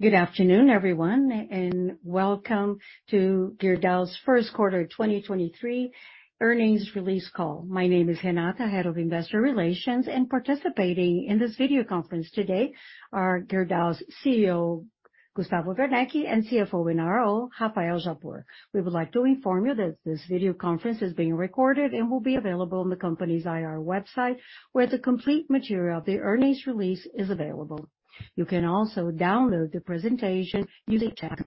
Good afternoon, everyone, welcome to Gerdau's first quarter 2023 earnings release call. My name is Renata, Head of Investor Relations. Participating in this video conference today are Gerdau's CEO, Gustavo Werneck, and CFO and IRO, Rafael Japur. We would like to inform you that this video conference is being recorded and will be available on the company's IR website, where the complete material of the earnings release is available. You can also download the presentation using chat.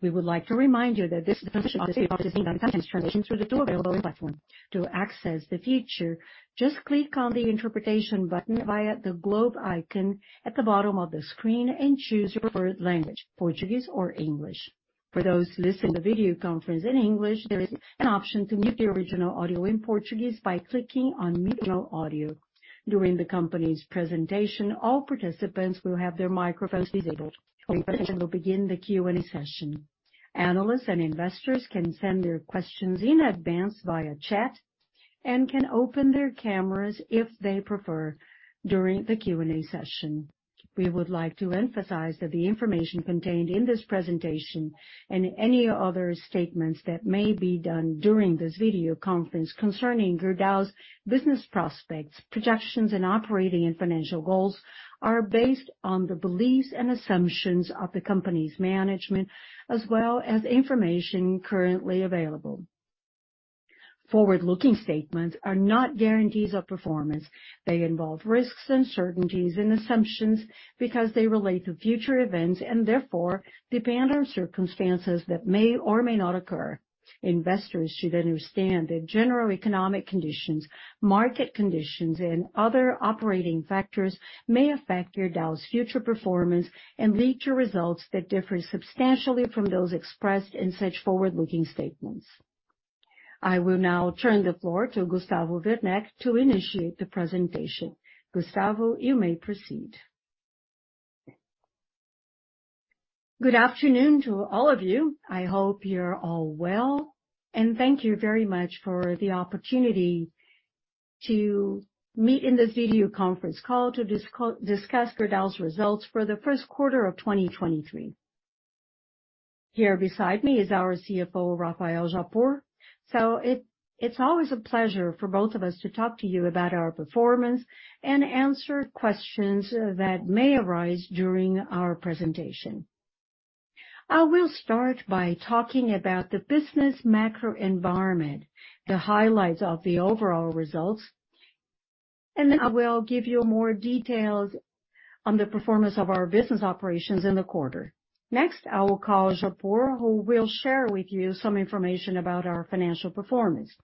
We would like to remind you that this presentation is being simultaneous translated through the available platform. To access the feature, just click on the interpretation button via the globe icon at the bottom of the screen and choose your preferred language, Portuguese or English. For those listening to the video conference in English, there is an option to mute the original audio in Portuguese by clicking on Mute All Audio. During the company's presentation, all participants will have their microphones disabled. We will begin the Q&A session. Analysts and investors can send their questions in advance via chat and can open their cameras if they prefer during the Q&A session. We would like to emphasize that the information contained in this presentation and any other statements that may be done during this video conference concerning Gerdau's business prospects, projections, and operating and financial goals are based on the beliefs and assumptions of the company's management, as well as information currently available. Forward-looking statements are not guarantees of performance. They involve risks, uncertainties, and assumptions because they relate to future events and therefore depend on circumstances that may or may not occur. Investors should understand that general economic conditions, market conditions, and other operating factors may affect Gerdau's future performance and lead to results that differ substantially from those expressed in such forward-looking statements. I will now turn the floor to Gustavo Werneck to initiate the presentation. Gustavo, you may proceed. Good afternoon to all of you. I hope you're all well, and thank you very much for the opportunity to meet in this video conference call to discuss Gerdau's results for the first quarter of 2023. Here beside me is our CFO, Rafael Japur. It's always a pleasure for both of us to talk to you about our performance and answer questions that may arise during our presentation. I will start by talking about the business macro environment, the highlights of the overall results, and then I will give you more details on the performance of our business operations in the quarter. I will call Japur, who will share with you some information about our financial performance.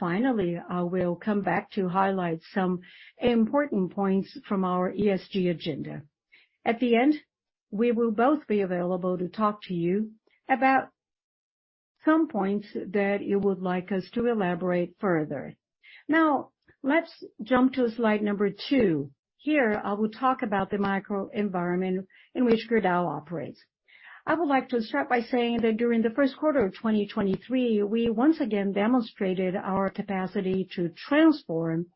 I will come back to highlight some important points from our ESG agenda. At the end, we will both be available to talk to you about some points that you would like us to elaborate further. Let's jump to Slide 2. Here, I will talk about the microenvironment in which Gerdau operates. I would like to start by saying that during the first quarter of 2023, we once again demonstrated our capacity to transform,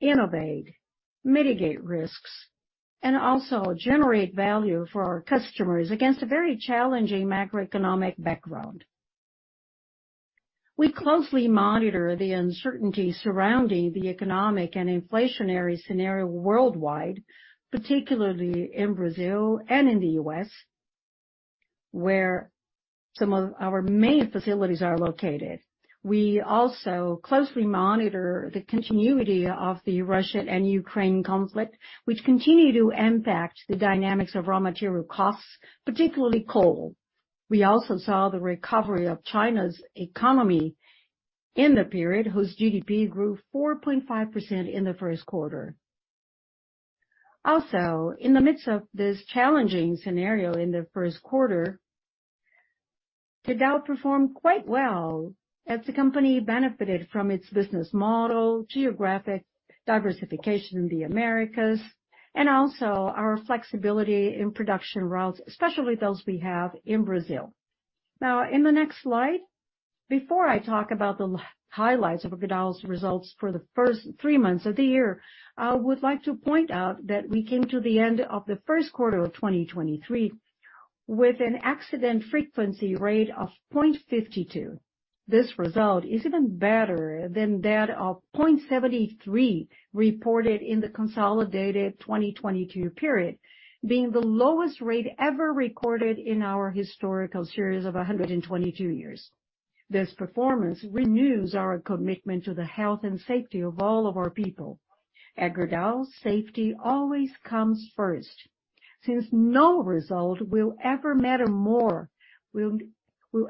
innovate, mitigate risks, and also generate value for our customers against a very challenging macroeconomic background. We closely monitor the uncertainty surrounding the economic and inflationary scenario worldwide, particularly in Brazil and in the U.S., where some of our main facilities are located. We also closely monitor the continuity of the Russia and Ukraine conflict, which continue to impact the dynamics of raw material costs, particularly coal. We saw the recovery of China's economy in the period, whose GDP grew 4.5% in the first quarter. In the midst of this challenging scenario in the first quarter, Gerdau performed quite well as the company benefited from its business model, geographic diversification in the Americas, and also our flexibility in production routes, especially those we have in Brazil. Now, in the next slide, before I talk about the highlights of Gerdau's results for the first 3 months of the year, I would like to point out that we came to the end of the first quarter of 2023 with an accident frequency rate of 0.52. This result is even better than that of 0.73 reported in the consolidated 2022 period, being the lowest rate ever recorded in our historical series of 122 years. This performance renews our commitment to the health and safety of all of our people. At Gerdau, safety always comes first, since no result will ever matter more will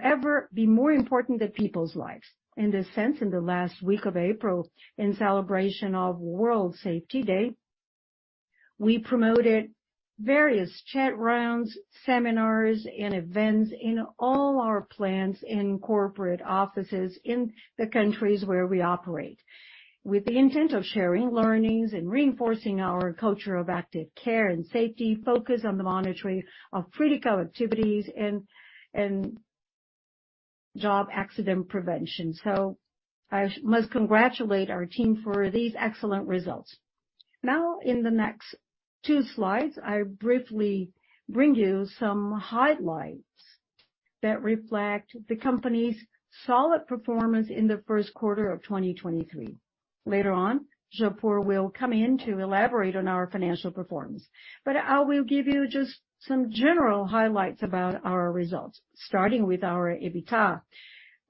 ever be more important than people's lives. In this sense, in the last week of April, in celebration of World Safety Day, we promoted various chat rounds, seminars, and events in all our plants and corporate offices in the countries where we operate, with the intent of sharing learnings and reinforcing our culture of active care and safety, focus on the monitoring of critical activities and job accident prevention. I must congratulate our team for these excellent results. In the next two slides, I briefly bring you some highlights that reflect the company's solid performance in the first quarter of 2023. Later on, João Paulo will come in to elaborate on our financial performance. I will give you just some general highlights about our results, starting with our EBITDA.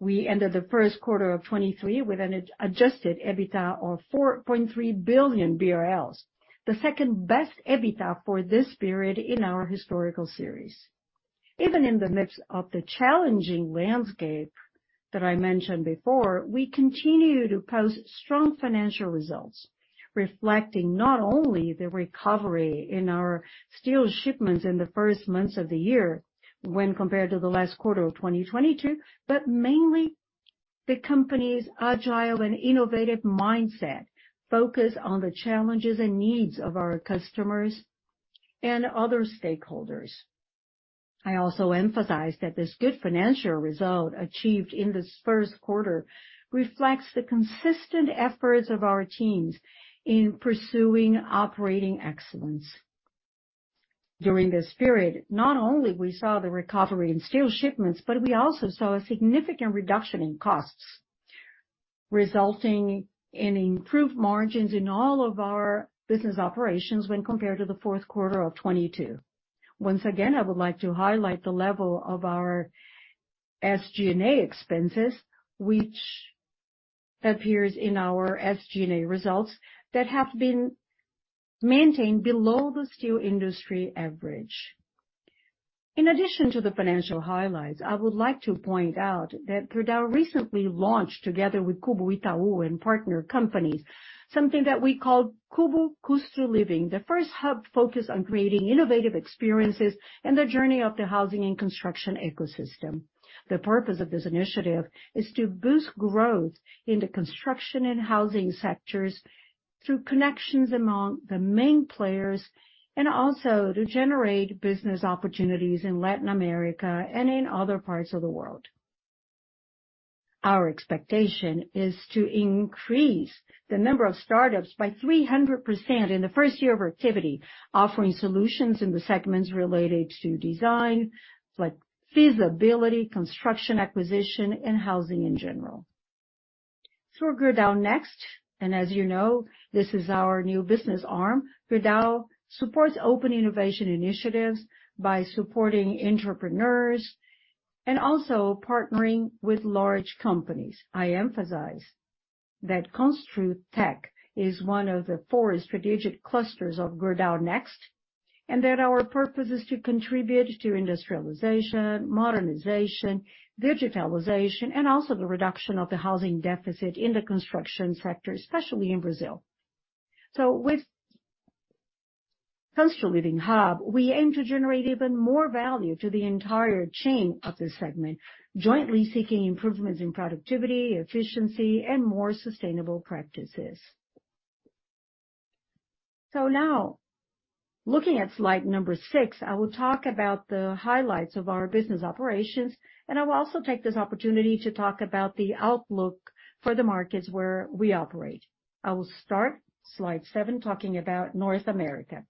We ended the first quarter of 2023 with an adjusted EBITDA of 4.3 billion BRL. The second-best EBITDA for this period in our historical series. Even in the midst of the challenging landscape that I mentioned before, we continue to post strong financial results, reflecting not only the recovery in our steel shipments in the first months of the year when compared to the last quarter of 2022, but mainly the company's agile and innovative mindset focused on the challenges and needs of our customers and other stakeholders. I also emphasize that this good financial result achieved in this first quarter reflects the consistent efforts of our teams in pursuing operating excellence. During this period, not only we saw the recovery in steel shipments, but we also saw a significant reduction in costs, resulting in improved margins in all of our Business Operations when compared to the fourth quarter of 2022. Once again, I would like to highlight the level of our SG&A expenses, which appears in our SG&A results that have been maintained below the steel industry average. In addition to the financial highlights, I would like to point out that Gerdau recently launched, together with Cubo Itaú and partner companies, something that we call Cubo Construliving, the first hub focused on creating innovative experiences and the journey of the housing and construction ecosystem. The purpose of this initiative is to boost growth in the construction and housing sectors through connections among the main players, and also to generate business opportunities in Latin America and in other parts of the world. Our expectation is to increase the number of startups by 300% in the first year of activity, offering solutions in the segments related to design, like feasibility, construction acquisition, and housing in general. Through Gerdau Next, and as you know, this is our new business arm, Gerdau supports open innovation initiatives by supporting entrepreneurs and also partnering with large companies. I emphasize that Construtech is one of the four strategic clusters of Gerdau Next, and that our purpose is to contribute to industrialization, modernization, digitalization, and also the reduction of the housing deficit in the construction sector, especially in Brazil. With Construliving hub, we aim to generate even more value to the entire chain of this segment, jointly seeking improvements in productivity, efficiency, and more sustainable practices. Now, looking at Slide 6, I will talk about the highlights of our business operations, and I will also take this opportunity to talk about the outlook for the markets where we operate. I will start Slide 7 talking about North America.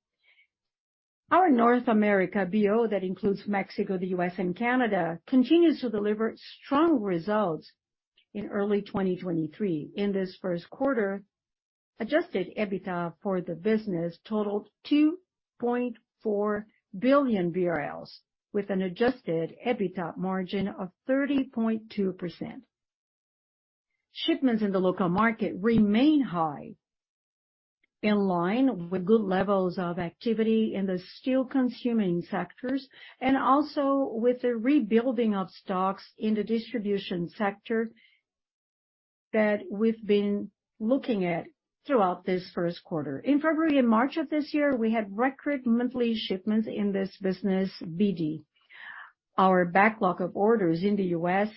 Our North America BO, that includes Mexico, the U.S., and Canada, continues to deliver strong results in early 2023. In this first quarter, adjusted EBITDA for the business totaled 2.4 billion BRL, with an adjusted EBITDA margin of 30.2%. Shipments in the local market remain high, in line with good levels of activity in the steel consuming sectors and also with the rebuilding of stocks in the distribution sector that we've been looking at throughout this first quarter. In February and March of this year, we had record monthly shipments in this business BD. Our backlog of orders in the U.S.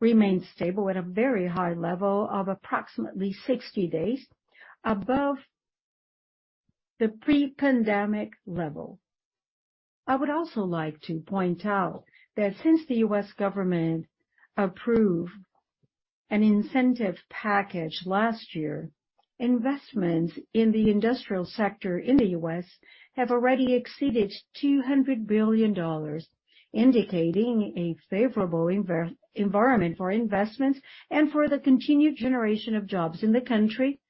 remains stable at a very high level of approximately 60 days above the pre-pandemic level. I would also like to point out that since the U.S. government approved an incentive package last year, investments in the industrial sector in the U.S. have already exceeded $200 billion, indicating a favorable environment for investments and for the continued generation of jobs in the country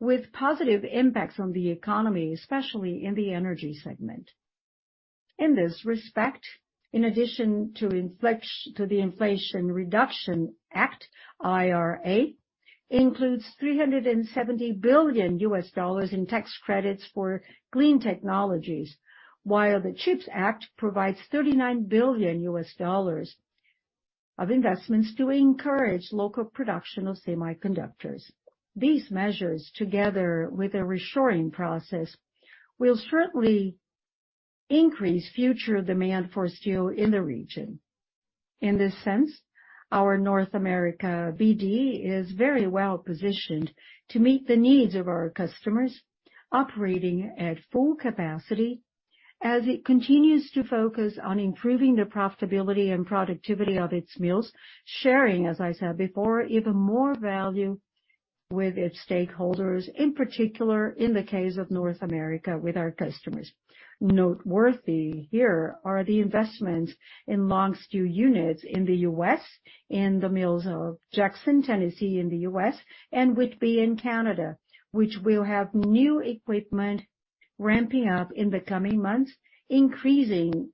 with positive impacts on the economy, especially in the energy segment. In this respect, in addition to the Inflation Reduction Act, IRA, includes $370 billion in tax credits for clean technologies, while the CHIPS Act provides $39 billion of investments to encourage local production of semiconductors. These measures, together with a reshoring process, will certainly increase future demand for steel in the region. In this sense, our North America BD is very well-positioned to meet the needs of our customers operating at full capacity. As it continues to focus on improving the profitability and productivity of its mills, sharing, as I said before, even more value with its stakeholders, in particular, in the case of North America, with our customers. Noteworthy here are the investments in long steel units in the U.S., in the mills of Jackson, Tennessee in the U.S., and Whitby in Canada, which will have new equipment ramping up in the coming months, increasing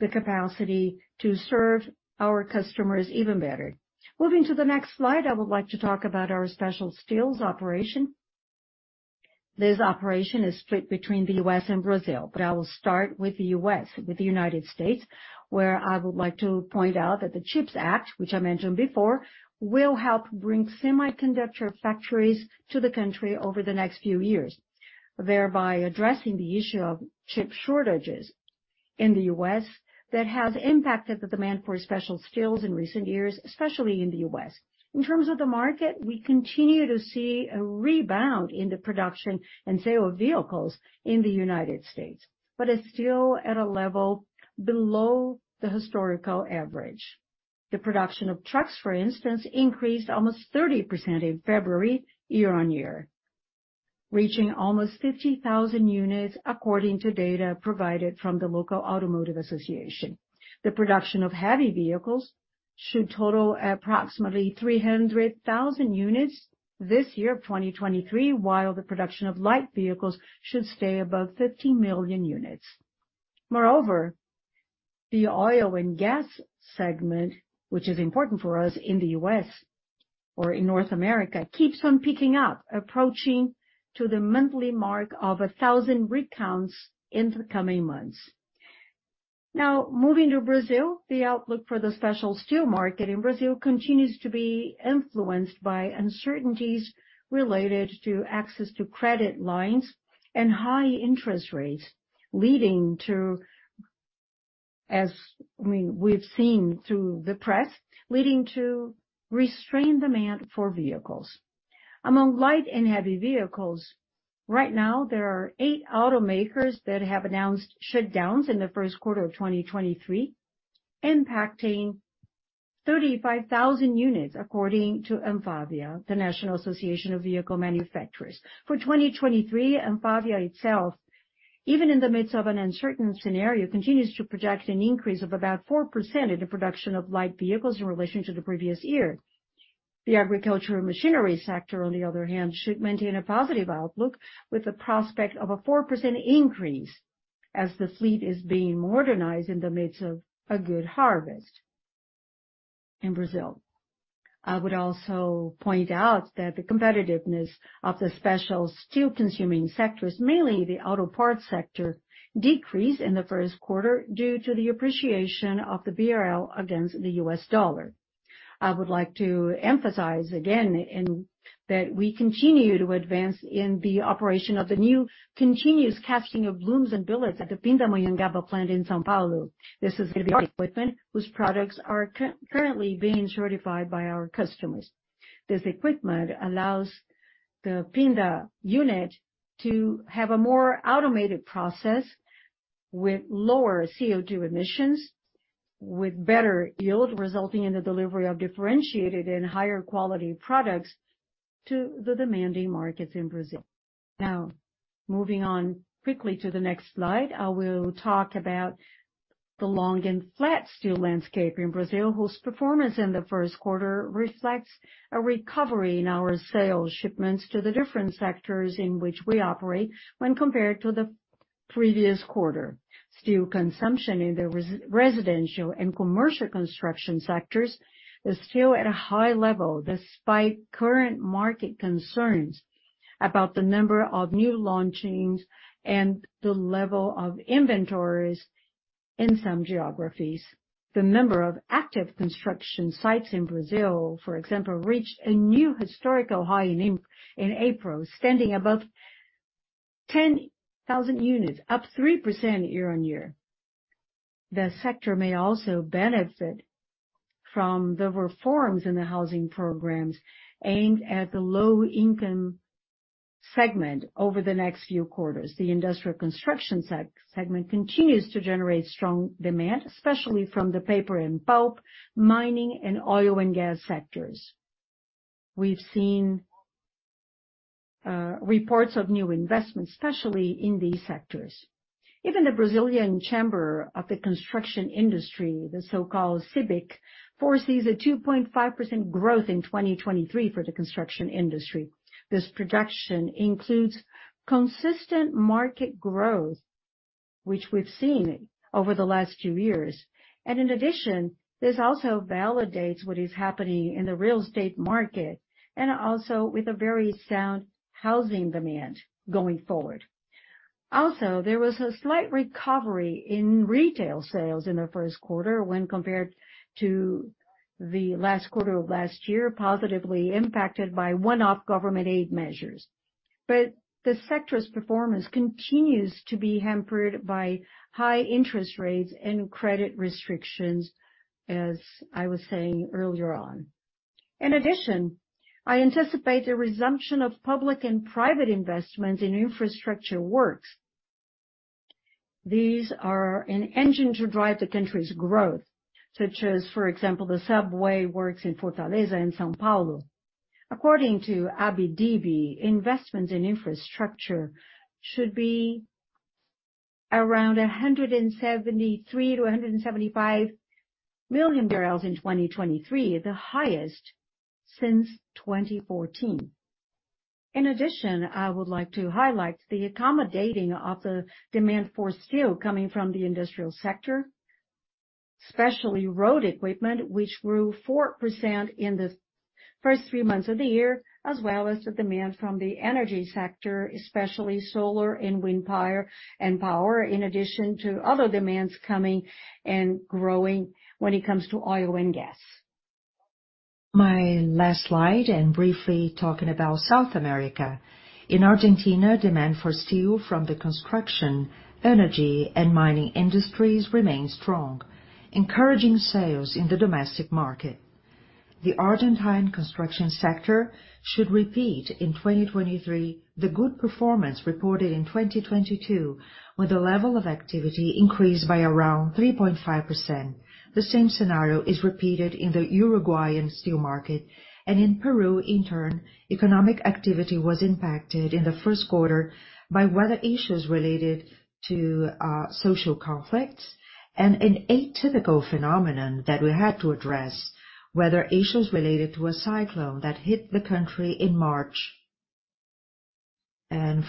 the capacity to serve our customers even better. Moving to the next slide, I would like to talk about our special steels operation. I will start with the U.S., with the United States, where I would like to point out that the CHIPS Act, which I mentioned before, will help bring semiconductor factories to the country over the next few years, thereby addressing the issue of chip shortages in the U.S. that have impacted the demand for special steels in recent years, especially in the U.S. In terms of the market, we continue to see a rebound in the production and sale of vehicles in the United States, but it's still at a level below the historical average. The production of trucks, for instance, increased almost 30% in February year-on-year, reaching almost 50,000 units, according to data provided from the local automotive association. The production of heavy vehicles should total approximately 300,000 units this year, 2023, while the production of light vehicles should stay above 50 million units. The oil and gas segment, which is important for us in the U.S. or in North America, keeps on picking up, approaching to the monthly mark of 1,000 rig counts in the coming months. Moving to Brazil. The outlook for the special steel market in Brazil continues to be influenced by uncertainties related to access to credit lines and high interest rates, leading to, as we've seen through the press, leading to restrained demand for vehicles. Among light and heavy vehicles, right now there are 8 automakers that have announced shutdowns in the first quarter of 2023, impacting 35,000 units according to ANFAVEA, the National Association of Vehicle Manufacturers. For 2023, ANFAVEA itself, even in the midst of an uncertain scenario, continues to project an increase of about 4% in the production of light vehicles in relation to the previous year. The agriculture machinery sector, on the other hand, should maintain a positive outlook with the prospect of a 4% increase as the fleet is being modernized in the midst of a good harvest in Brazil. I would also point out that the competitiveness of the special steel consuming sectors, mainly the auto parts sector, decreased in the first quarter due to the appreciation of the BRL against the US dollar. I would like to emphasize again that we continue to advance in the operation of the new continuous casting of blooms and billets at the Pindamonhangaba plant in São Paulo. This is gonna be our equipment whose products are currently being certified by our customers. This equipment allows the Pinda unit to have a more automated process with lower CO2 emissions, with better yield, resulting in the delivery of differentiated and higher quality products to the demanding markets in Brazil. Now, moving on quickly to the next slide. I will talk about the long and flat steel landscape in Brazil, whose performance in the first quarter reflects a recovery in our sales shipments to the different sectors in which we operate when compared to the previous quarter. Steel consumption in the residential and commercial construction sectors is still at a high level despite current market concerns about the number of new launchings and the level of inventories in some geographies. The number of active construction sites in Brazil, for example, reached a new historical high in April, standing above 10,000 units, up 3% year-on-year. The sector may also benefit from the reforms in the housing programs aimed at the low-income segment over the next few quarters. The industrial construction segment continues to generate strong demand, especially from the paper and pulp, mining, and oil and gas sectors. We've seen reports of new investments, especially in these sectors. Even the Brazilian Chamber of the Construction Industry, the so-called CBIC, foresees a 2.5% growth in 2023 for the construction industry. This projection includes consistent market growth, which we've seen over the last few years. In addition, this also validates what is happening in the real estate market and also with a very sound housing demand going forward. There was a slight recovery in retail sales in the first quarter when compared to the last quarter of last year, positively impacted by one-off government aid measures. The sector's performance continues to be hampered by high interest rates and credit restrictions, as I was saying earlier on. In addition, I anticipate the resumption of public and private investment in infrastructure works. These are an engine to drive the country's growth, such as, for example, the subway works in Fortaleza and São Paulo. According to ABDIB, investment in infrastructure should be around 173-175 million barrels in 2023, the highest since 2014. In addition, I would like to highlight the accommodating of the demand for steel coming from the industrial sector, especially road equipment, which grew 4% in the first three months of the year, as well as the demand from the energy sector, especially solar and wind and power, in addition to other demands coming and growing when it comes to oil and gas. My last slide, briefly talking about South America. In Argentina, demand for steel from the construction, energy, and mining industries remain strong, encouraging sales in the domestic market. The Argentine construction sector should repeat in 2023 the good performance reported in 2022, with the level of activity increased by around 3.5%. The same scenario is repeated in the Uruguayan steel market. In Peru, in turn, economic activity was impacted in the first quarter by weather issues related to social conflicts and an atypical phenomenon that we had to address, weather issues related to a cyclone that hit the country in March.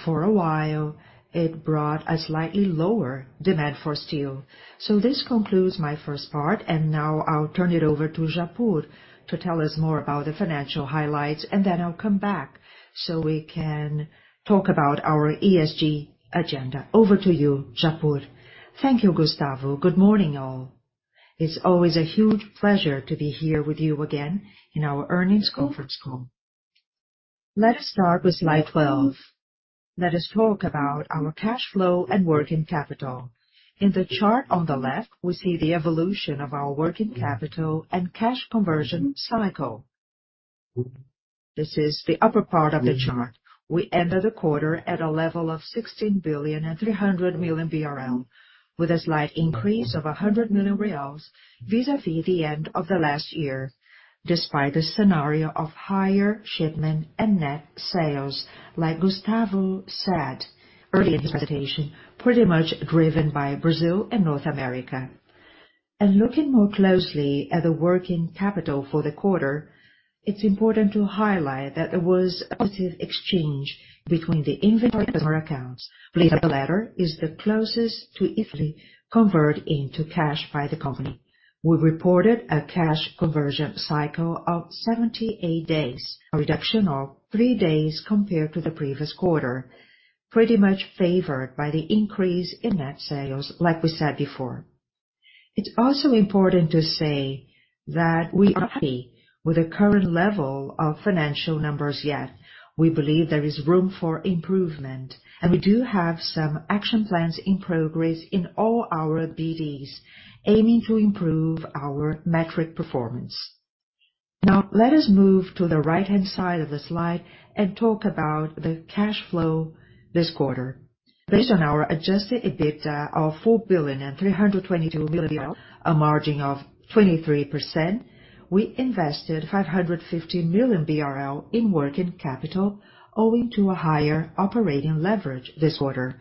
For a while, it brought a slightly lower demand for steel. This concludes my first part, and now I'll turn it over to Japur to tell us more about the financial highlights, and then I'll come back so we can talk about our ESG agenda. Over to you, Japur. Thank you, Gustavo. Good morning, all. It's always a huge pleasure to be here with you again in our earnings conference call. Let us start with Slide 12. Let us talk about our cash flow and working capital. In the chart on the left, we see the evolution of our working capital and cash conversion cycle. This is the upper part of the chart. We ended the quarter at a level of 16.3 billion, with a slight increase of 100 million reais vis-à-vis the end of the last year, despite a scenario of higher shipment and net sales, like Gustavo said earlier in his presentation, pretty much driven by Brazil and North America. Looking more closely at the working capital for the quarter, it's important to highlight that there was a positive exchange between the inventory and customer accounts. Please note the latter is the closest to easily convert into cash by the company. We reported a cash conversion cycle of 78 days, a reduction of 3 days compared to the previous quarter, pretty much favored by the increase in net sales, like we said before. It's also important to say that we are happy with the current level of financial numbers, yet we believe there is room for improvement, we do have some action plans in progress in all our BDs aiming to improve our metric performance. Now, let us move to the right-hand side of the slide and talk about the cash flow this quarter. Based on our adjusted EBITDA of BRL 4,322 million, a margin of 23%, we invested 550 million BRL in working capital, owing to a higher operating leverage this quarter.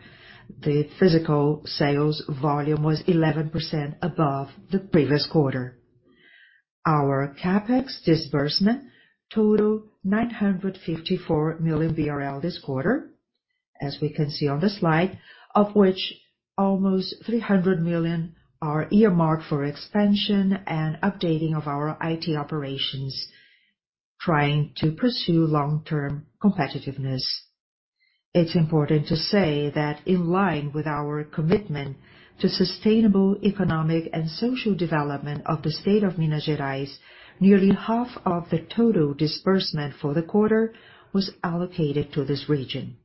The physical sales volume was 11% above the previous quarter. Our CapEx disbursement totaled 954 million BRL this quarter, as we can see on the slide, of which almost 300 million are earmarked for expansion and updating of our IT operations, trying to pursue long-term competitiveness. It's important to say that in line with our commitment to sustainable economic and social development of the State of Minas Gerais, nearly half of the total disbursement for the quarter was allocated to this region.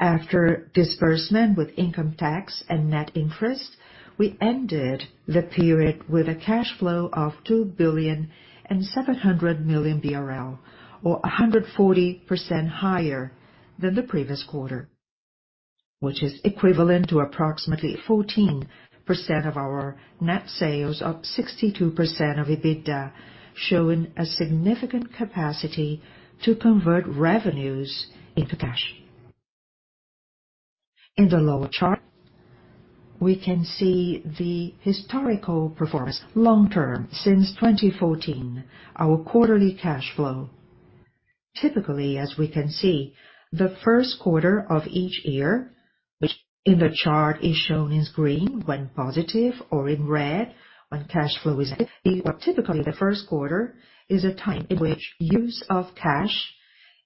After disbursement with income tax and net interest, we ended the period with a cash flow of 2.7 billion, or 140% higher than the previous quarter, which is equivalent to approximately 14% of our net sales of 62% of EBITDA, showing a significant capacity to convert revenues into cash. In the lower chart, we can see the historical performance long term since 2014, our quarterly cash flow. Typically, as we can see, the first quarter of each year, which in the chart is shown in green when positive or in red when cash flow is negative, but typically the first quarter is a time in which use of cash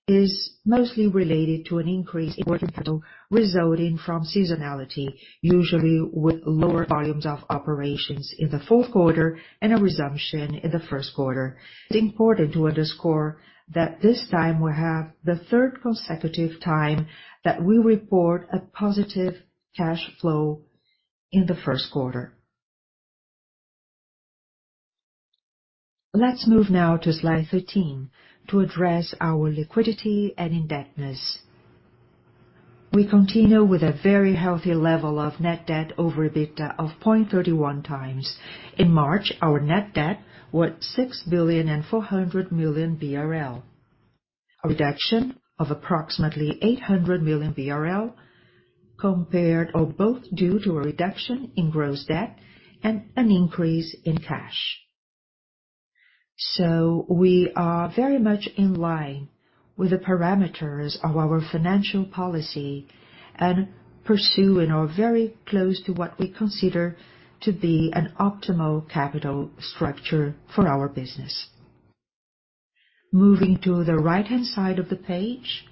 is mostly related to an increase in working capital resulting from seasonality, usually with lower volumes of operations in the fourth quarter and a resumption in the first quarter. It's important to underscore that this time we have the third consecutive time that we report a positive cash flow in the first quarter. Let's move now to Slide 13 to address our liquidity and indebtedness. We continue with a very healthy level of net debt over EBITDA of 0.31 times. In March, our net debt was 6.4 billion, a reduction of approximately 800 million BRL compared or both due to a reduction in gross debt and an increase in cash. We are very much in line with the parameters of our financial policy and pursue and are very close to what we consider to be an optimal capital structure for our business. Moving to the right-hand side of the page,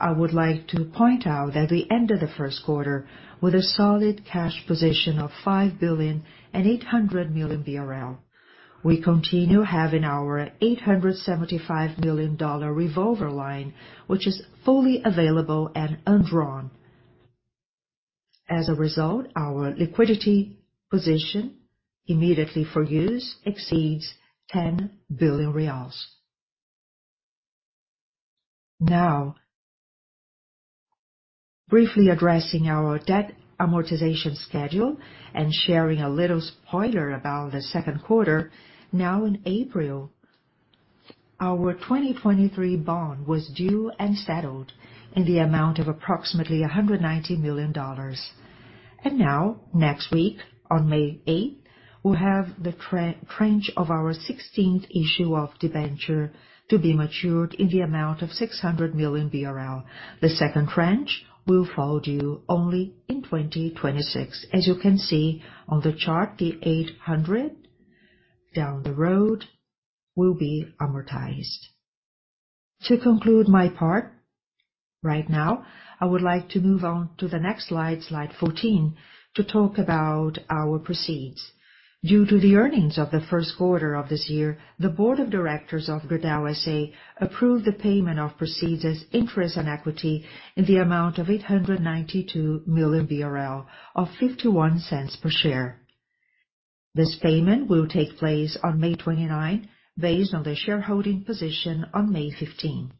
I would like to point out at the end of the first quarter, with a solid cash position of 5.8 billion. We continue having our $875 million revolver line, which is fully available and undrawn. Our liquidity position immediately for use exceeds 10 billion reais. Briefly addressing our debt amortization schedule and sharing a little spoiler about the second quarter. In April, our 2023 bond was due and settled in the amount of approximately $190 million. Next week, on May 8th, we have the tranche of our 16th issue of debenture to be matured in the amount of 600 million BRL. The second tranche will fall due only in 2026. As you can see on the chart, the 800 BRL down the road will be amortized. To conclude my part right now, I would like to move on to the next Slide 14, to talk about our proceeds. Due to the earnings of the first quarter of this year, the board of directors of Gerdau S.A. approved the payment of proceeds as interest on equity in the amount of 892 million BRL, of 0.51 per share. This payment will take place on May 29, based on the shareholding position on May 15.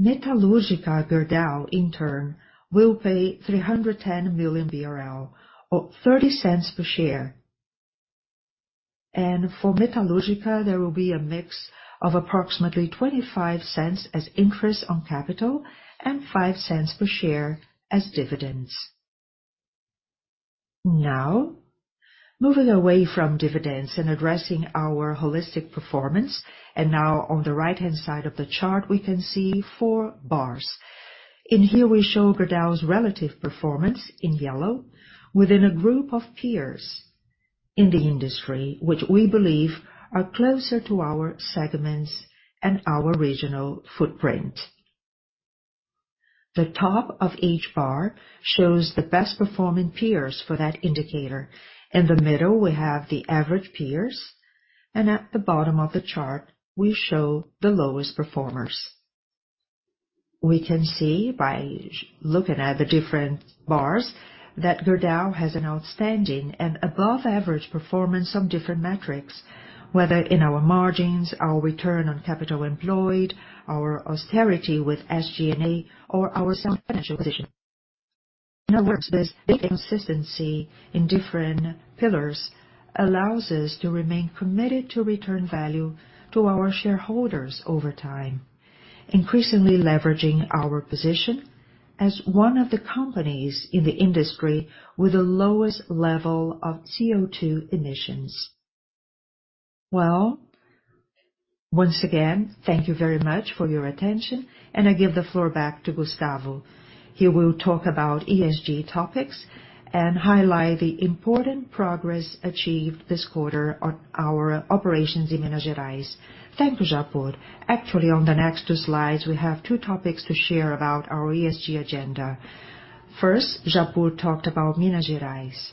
Metalúrgica Gerdau, in turn, will pay 310 million BRL, or 0.30 per share. For Metalúrgica, there will be a mix of approximately 0.25 as interest on capital and 0.05 per share as dividends. Moving away from dividends and addressing our holistic performance. On the right-hand side of the chart, we can see 4 bars. In here, we show Gerdau's relative performance in yellow within a group of peers in the industry, which we believe are closer to our segments and our regional footprint. The top of each bar shows the best performing peers for that indicator. In the middle, we have the average peers, and at the bottom of the chart, we show the lowest performers. We can see by looking at the different bars that Gerdau has an outstanding and above average performance on different metrics, whether in our margins, our return on capital employed, our austerity with SG&A, or our sound financial position. In other words, this big consistency in different pillars allows us to remain committed to return value to our shareholders over time, increasingly leveraging our position as one of the companies in the industry with the lowest level of CO₂ emissions. Well, once again, thank you very much for your attention, and I give the floor back to Gustavo. He will talk about ESG topics and highlight the important progress achieved this quarter on our operations in Minas Gerais. Thank you, Japur. Actually, on the next two slides, we have two topics to share about our ESG agenda. First, Japur talked about Minas Gerais.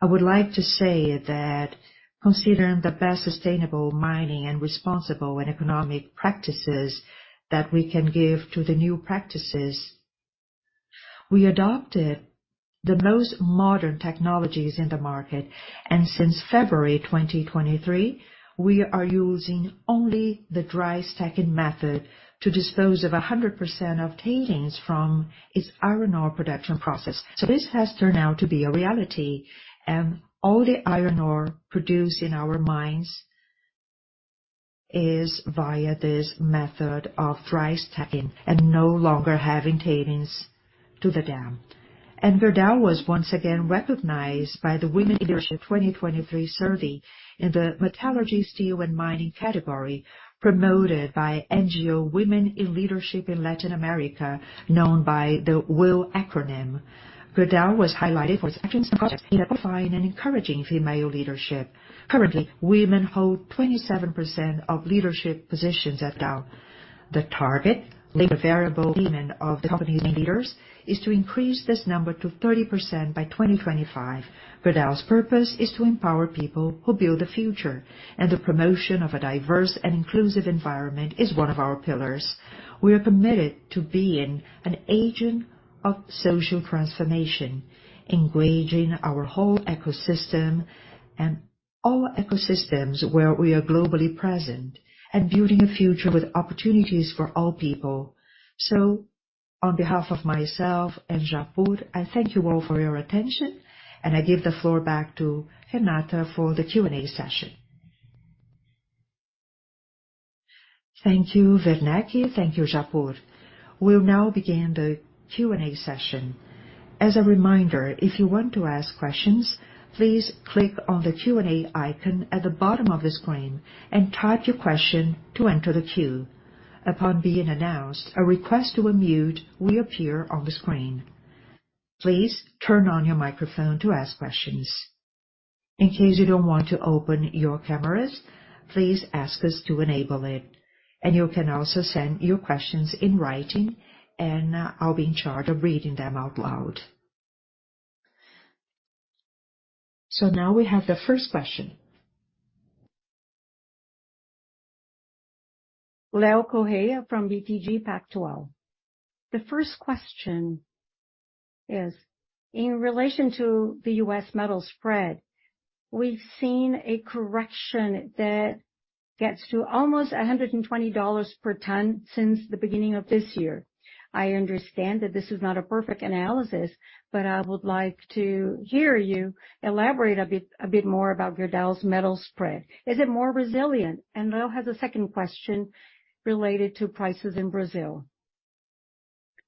I would like to say that considering the best sustainable mining and responsible and economic practices that we can give to the new practices, we adopted the most modern technologies in the market. Since February 2023, we are using only the dry stacking method to dispose of 100% of tailings from its iron ore production process. This has turned out to be a reality, and all the iron ore produced in our mines is via this method of dry stacking and no longer having tailings to the dam. Gerdau was once again recognized by the Women in Leadership 2023 survey in the metallurgy, steel, and mining category promoted by NGO Women in Leadership in Latin America, known by the WILL acronym. Gerdau was highlighted for its actions and projects in qualifying and encouraging female leadership. Currently, women hold 27% of leadership positions at Gerdau. The target, linked to the variable payment of the company's main leaders, is to increase this number to 30% by 2025. Gerdau's purpose is to empower people who build the future, and the promotion of a diverse and inclusive environment is one of our pillars. We are committed to being an agent of social transformation, engaging our whole ecosystem and All ecosystems where we are globally present and building a future with opportunities for all people. On behalf of myself and Japur, I thank you all for your attention, and I give the floor back to Renata for the Q&A session. Thank you, Werneck. Thank you, Japur. We'll now begin the Q&A session. As a reminder, if you want to ask questions, please click on the Q&A icon at the bottom of the screen and type your question to enter the queue. Upon being announced, a request to unmute will appear on the screen. Please turn on your microphone to ask questions. In case you don't want to open your cameras, please ask us to enable it. You can also send your questions in writing, and I'll be in charge of reading them out loud. Now we have the first question. Leonardo Correa from BTG Pactual. The first question is, in relation to the U.S. metal spread, we've seen a correction that gets to almost $120 per ton since the beginning of this year. I understand that this is not a perfect analysis, I would like to hear you elaborate a bit more about Gerdau's metal spread. Is it more resilient? Leo has a second question related to prices in Brazil.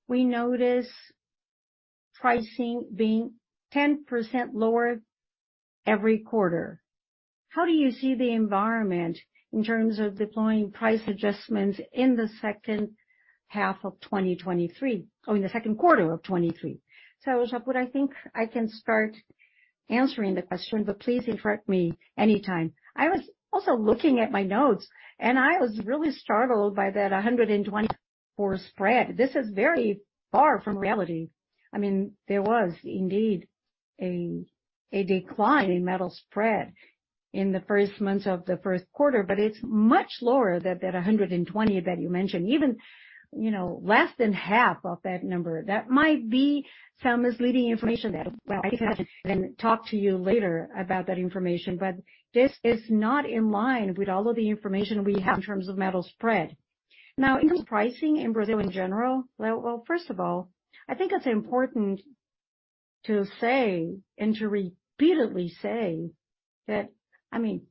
We notice pricing being 10% lower every quarter. How do you see the environment in terms of deploying price adjustments in the second quarter of 2023. Japur, I think I can start answering the question, please interrupt me anytime. I was also looking at my notes, I was really startled by that 124 spread. This is very far from reality. I mean, there was indeed a decline in metal spread in the first months of the first quarter. It's much lower than that 120 that you mentioned. Even, you know, less than half of that number. That might be some misleading information that I can talk to you later about that information. This is not in line with all of the information we have in terms of metal spread. Now, in pricing in Brazil in general, well, first of all, I think it's important to say and to repeatedly say that, I mean,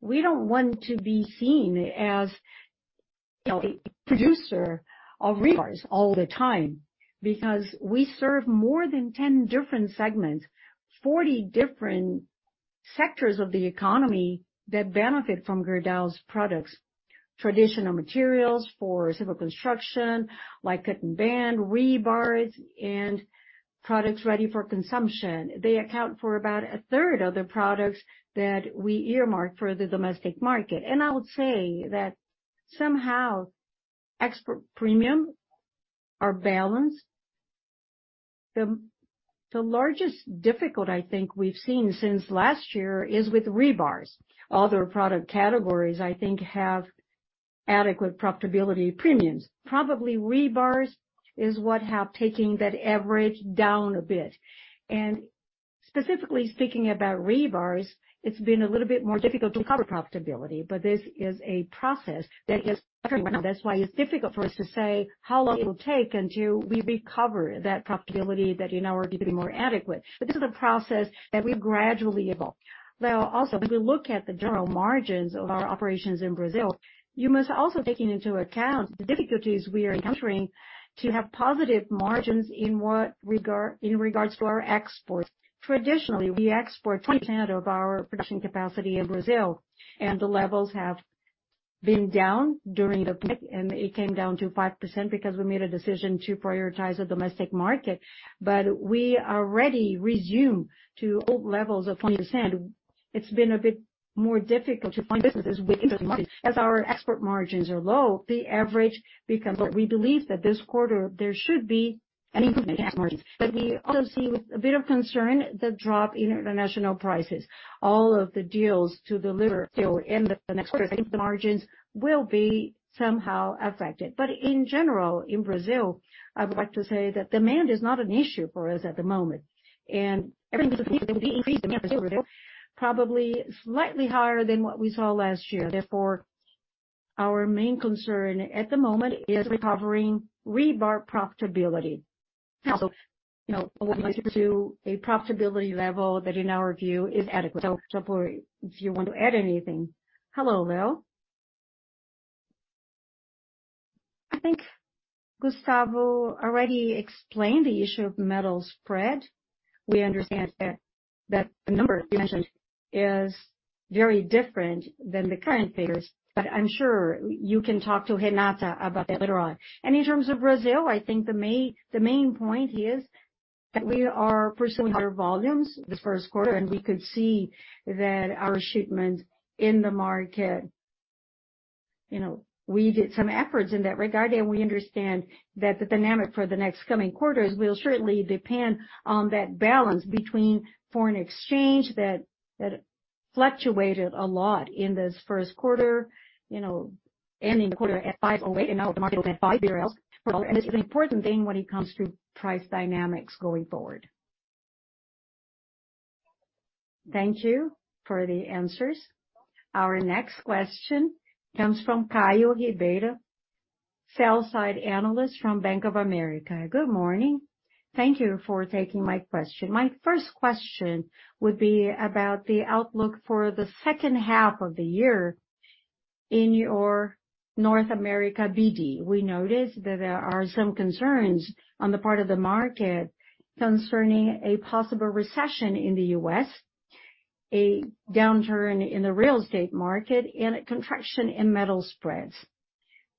we don't want to be seen as a producer of rebars all the time because we serve more than 10 different segments, 40 different sectors of the economy that benefit from Gerdau's products. Traditional materials for civil construction, like cut & bend, rebars, and products ready for consumption. They account for about a third of the products that we earmark for the domestic market. I would say that somehow export premium are balanced. The largest difficult I think we've seen since last year is with rebars. Other product categories, I think, have adequate profitability premiums. Probably rebars is what have taking that average down a bit. Specifically speaking about rebars, it's been a little bit more difficult to cover profitability, but this is a process that is ongoing. That's why it's difficult for us to say how long it will take until we recover that profitability that in our view could be more adequate. This is a process that will gradually evolve. Also, when we look at the general margins of our operations in Brazil, you must also take into account the difficulties we are encountering to have positive margins in regard to our exports. Traditionally, we export 20% of our production capacity in Brazil, and the levels have been down during the pandemic, and it came down to 5% because we made a decision to prioritize the domestic market. We already resumed to old levels of 20%. It's been a bit more difficult to find businesses with interesting markets. As our export margins are low, the average becomes lower. We believe that this quarter there should be an improvement in export margins. We also see with a bit of concern the drop in international prices. All of the deals to deliver still in the next quarter, I think the margins will be somehow affected. In general, in Brazil, I would like to say that demand is not an issue for us at the moment. Everything we produce will be increased in Brazil, probably slightly higher than what we saw last year. Therefore, our main concern at the moment is recovering rebar profitability. Also, you know, I would like to a profitability level that in our view is adequate. Japur, if you want to add anything. Hello, Leo. I think Gustavo already explained the issue of metal spread. We understand that the number you mentioned is very different than the current figures, but I'm sure you can talk to Renata about that later on. In terms of Brazil, I think the main point is that we are pursuing higher volumes this first quarter, and we could see that our shipments in the market, you know, we did some efforts in that regard, and we understand that the dynamic for the next coming quarters will certainly depend on that balance between foreign exchange that fluctuated a lot in this first quarter, you know, ending the quarter at 5.08 and now the market is at 5.00. This is an important thing when it comes to price dynamics going forward. Thank you for the answers. Our next question comes from Caio Ribeiro, Sell-side Analyst from Bank of America. Good morning. Thank you for taking my question. My first question would be about the outlook for the second half of the year in your North America BD. We noticed that there are some concerns on the part of the market concerning a possible recession in the US, a downturn in the real estate market, and a contraction in metal spreads.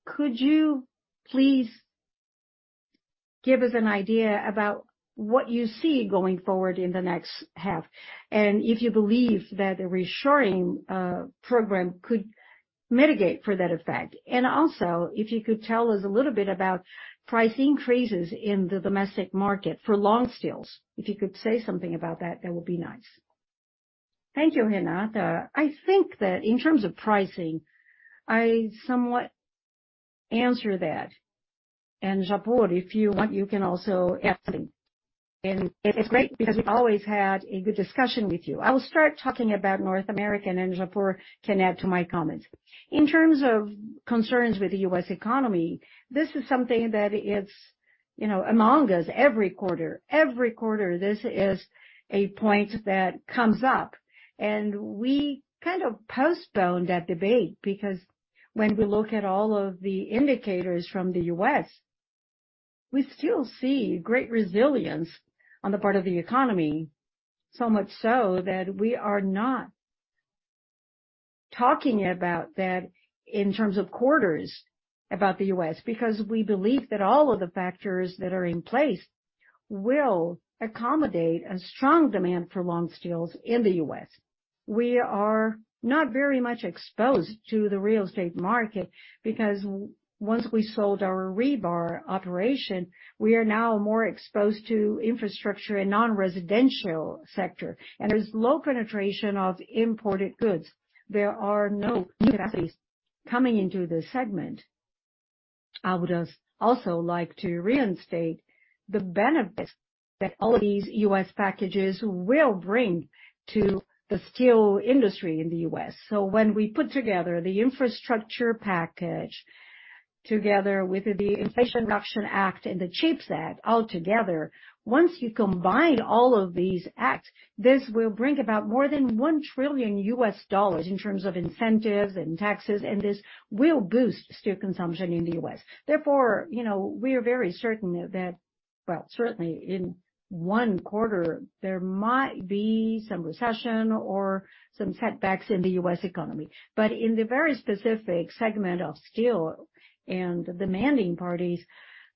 Could you please give us an idea about what you see going forward in the next half, and if you believe that a reshoring program could mitigate for that effect? Also, if you could tell us a little bit about price increases in the domestic market for long steels. If you could say something about that would be nice. Thank you, Renata. I think that in terms of pricing, I somewhat answer that. Japur, if you want, you can also add in. It's great because we've always had a good discussion with you. I will start talking about North America, and Japur can add to my comments. In terms of concerns with the U.S. economy, this is something that is, you know, among us every quarter. Every quarter, this is a point that comes up. We kind of postpone that debate, because when we look at all of the indicators from the U.S., we still see great resilience on the part of the economy, so much so that we are not talking about that in terms of quarters about the U.S., because we believe that all of the factors that are in place will accommodate a strong demand for long steels in the U.S. We are not very much exposed to the real estate market because once we sold our rebar operation, we are now more exposed to infrastructure and non-residential sector, and there's low penetration of imported goods. There are no capacities coming into this segment. I would also like to reinstate the benefits that all these U.S. packages will bring to the steel industry in the U.S. When we put together the infrastructure package together with the Inflation Reduction Act and the CHIPS Act all together, once you combine all of these acts, this will bring about more than $1 trillion in terms of incentives and taxes, and this will boost steel consumption in the U.S. Therefore, you know, we are very certain that, well, certainly in one quarter, there might be some recession or some setbacks in the U.S. economy. In the very specific segment of steel and demanding parties,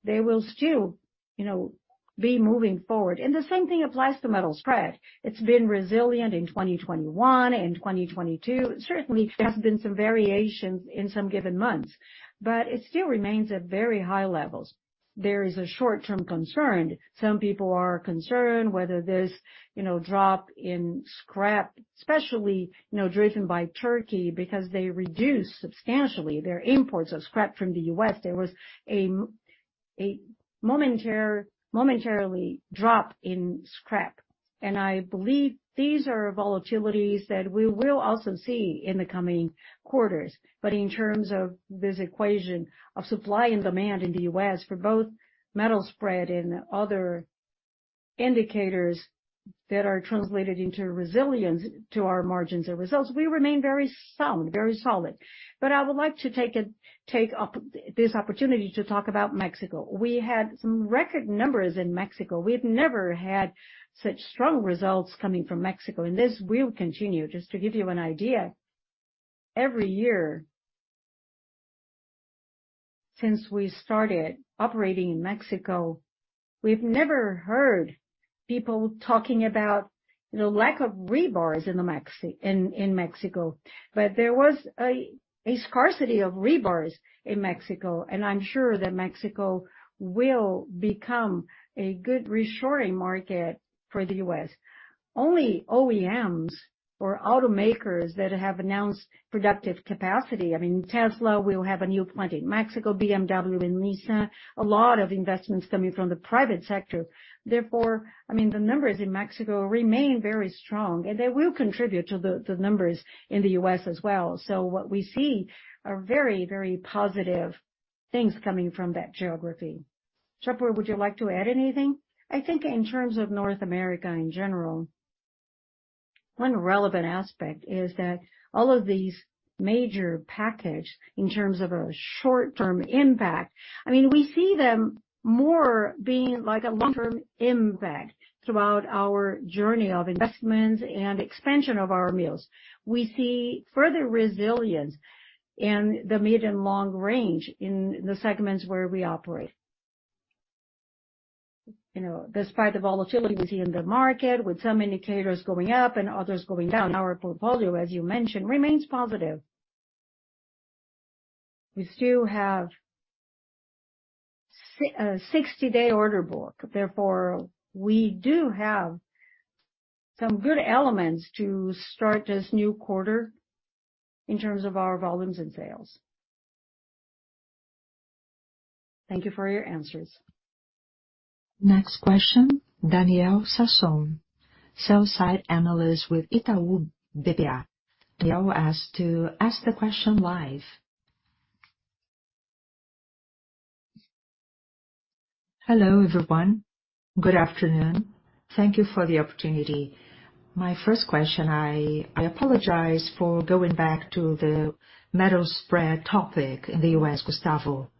they will still, you know, be moving forward. The same thing applies to metal spread. It's been resilient in 2021 and 2022. Certainly, there have been some variations in some given months, but it still remains at very high levels. There is a short-term concern. Some people are concerned whether this, you know, drop in scrap, especially, you know, driven by Turkey because they reduced substantially their imports of scrap from the U.S. There was a momentary drop in scrap. I believe these are volatilities that we will also see in the coming quarters. In terms of this equation of supply and demand in the U.S. for both metal spread and other indicators that are translated into resilience to our margins and results, we remain very sound, very solid. I would like to take up this opportunity to talk about Mexico. We had some record numbers in Mexico. We've never had such strong results coming from Mexico, and this will continue. Just to give you an idea, every year since we started operating in Mexico, we've never heard people talking about the lack of rebars in Mexico. There was a scarcity of rebars in Mexico, and I'm sure that Mexico will become a good reshoring market for the U.S. Only OEMs or automakers that have announced productive capacity, I mean, Tesla will have a new plant in Mexico, BMW and Nissan, a lot of investments coming from the private sector. I mean, the numbers in Mexico remain very strong, and they will contribute to the numbers in the U.S. as well. What we see are very, very positive things coming from that geography. Japur, would you like to add anything? I think in terms of North America in general, one relevant aspect is that all of this major package in terms of a short-term impact, I mean, we see them more being like a long-term impact throughout our journey of investments and expansion of our mills. We see further resilience in the mid and long range in the segments where we operate. You know, despite the volatility we see in the market, with some indicators going up and others going down, our portfolio, as you mentioned, remains positive. We still have 60-day order book. We do have some good elements to start this new quarter in terms of our volumes and sales. Thank you for your answers. Next question, Daniel Sasson, sell-side analyst with Itaú BBA. Daniel was to ask the question live. Hello, everyone. Good afternoon. Thank you for the opportunity. My first question, I apologize for going back to the metal spread topic in the U.S. Gustavo,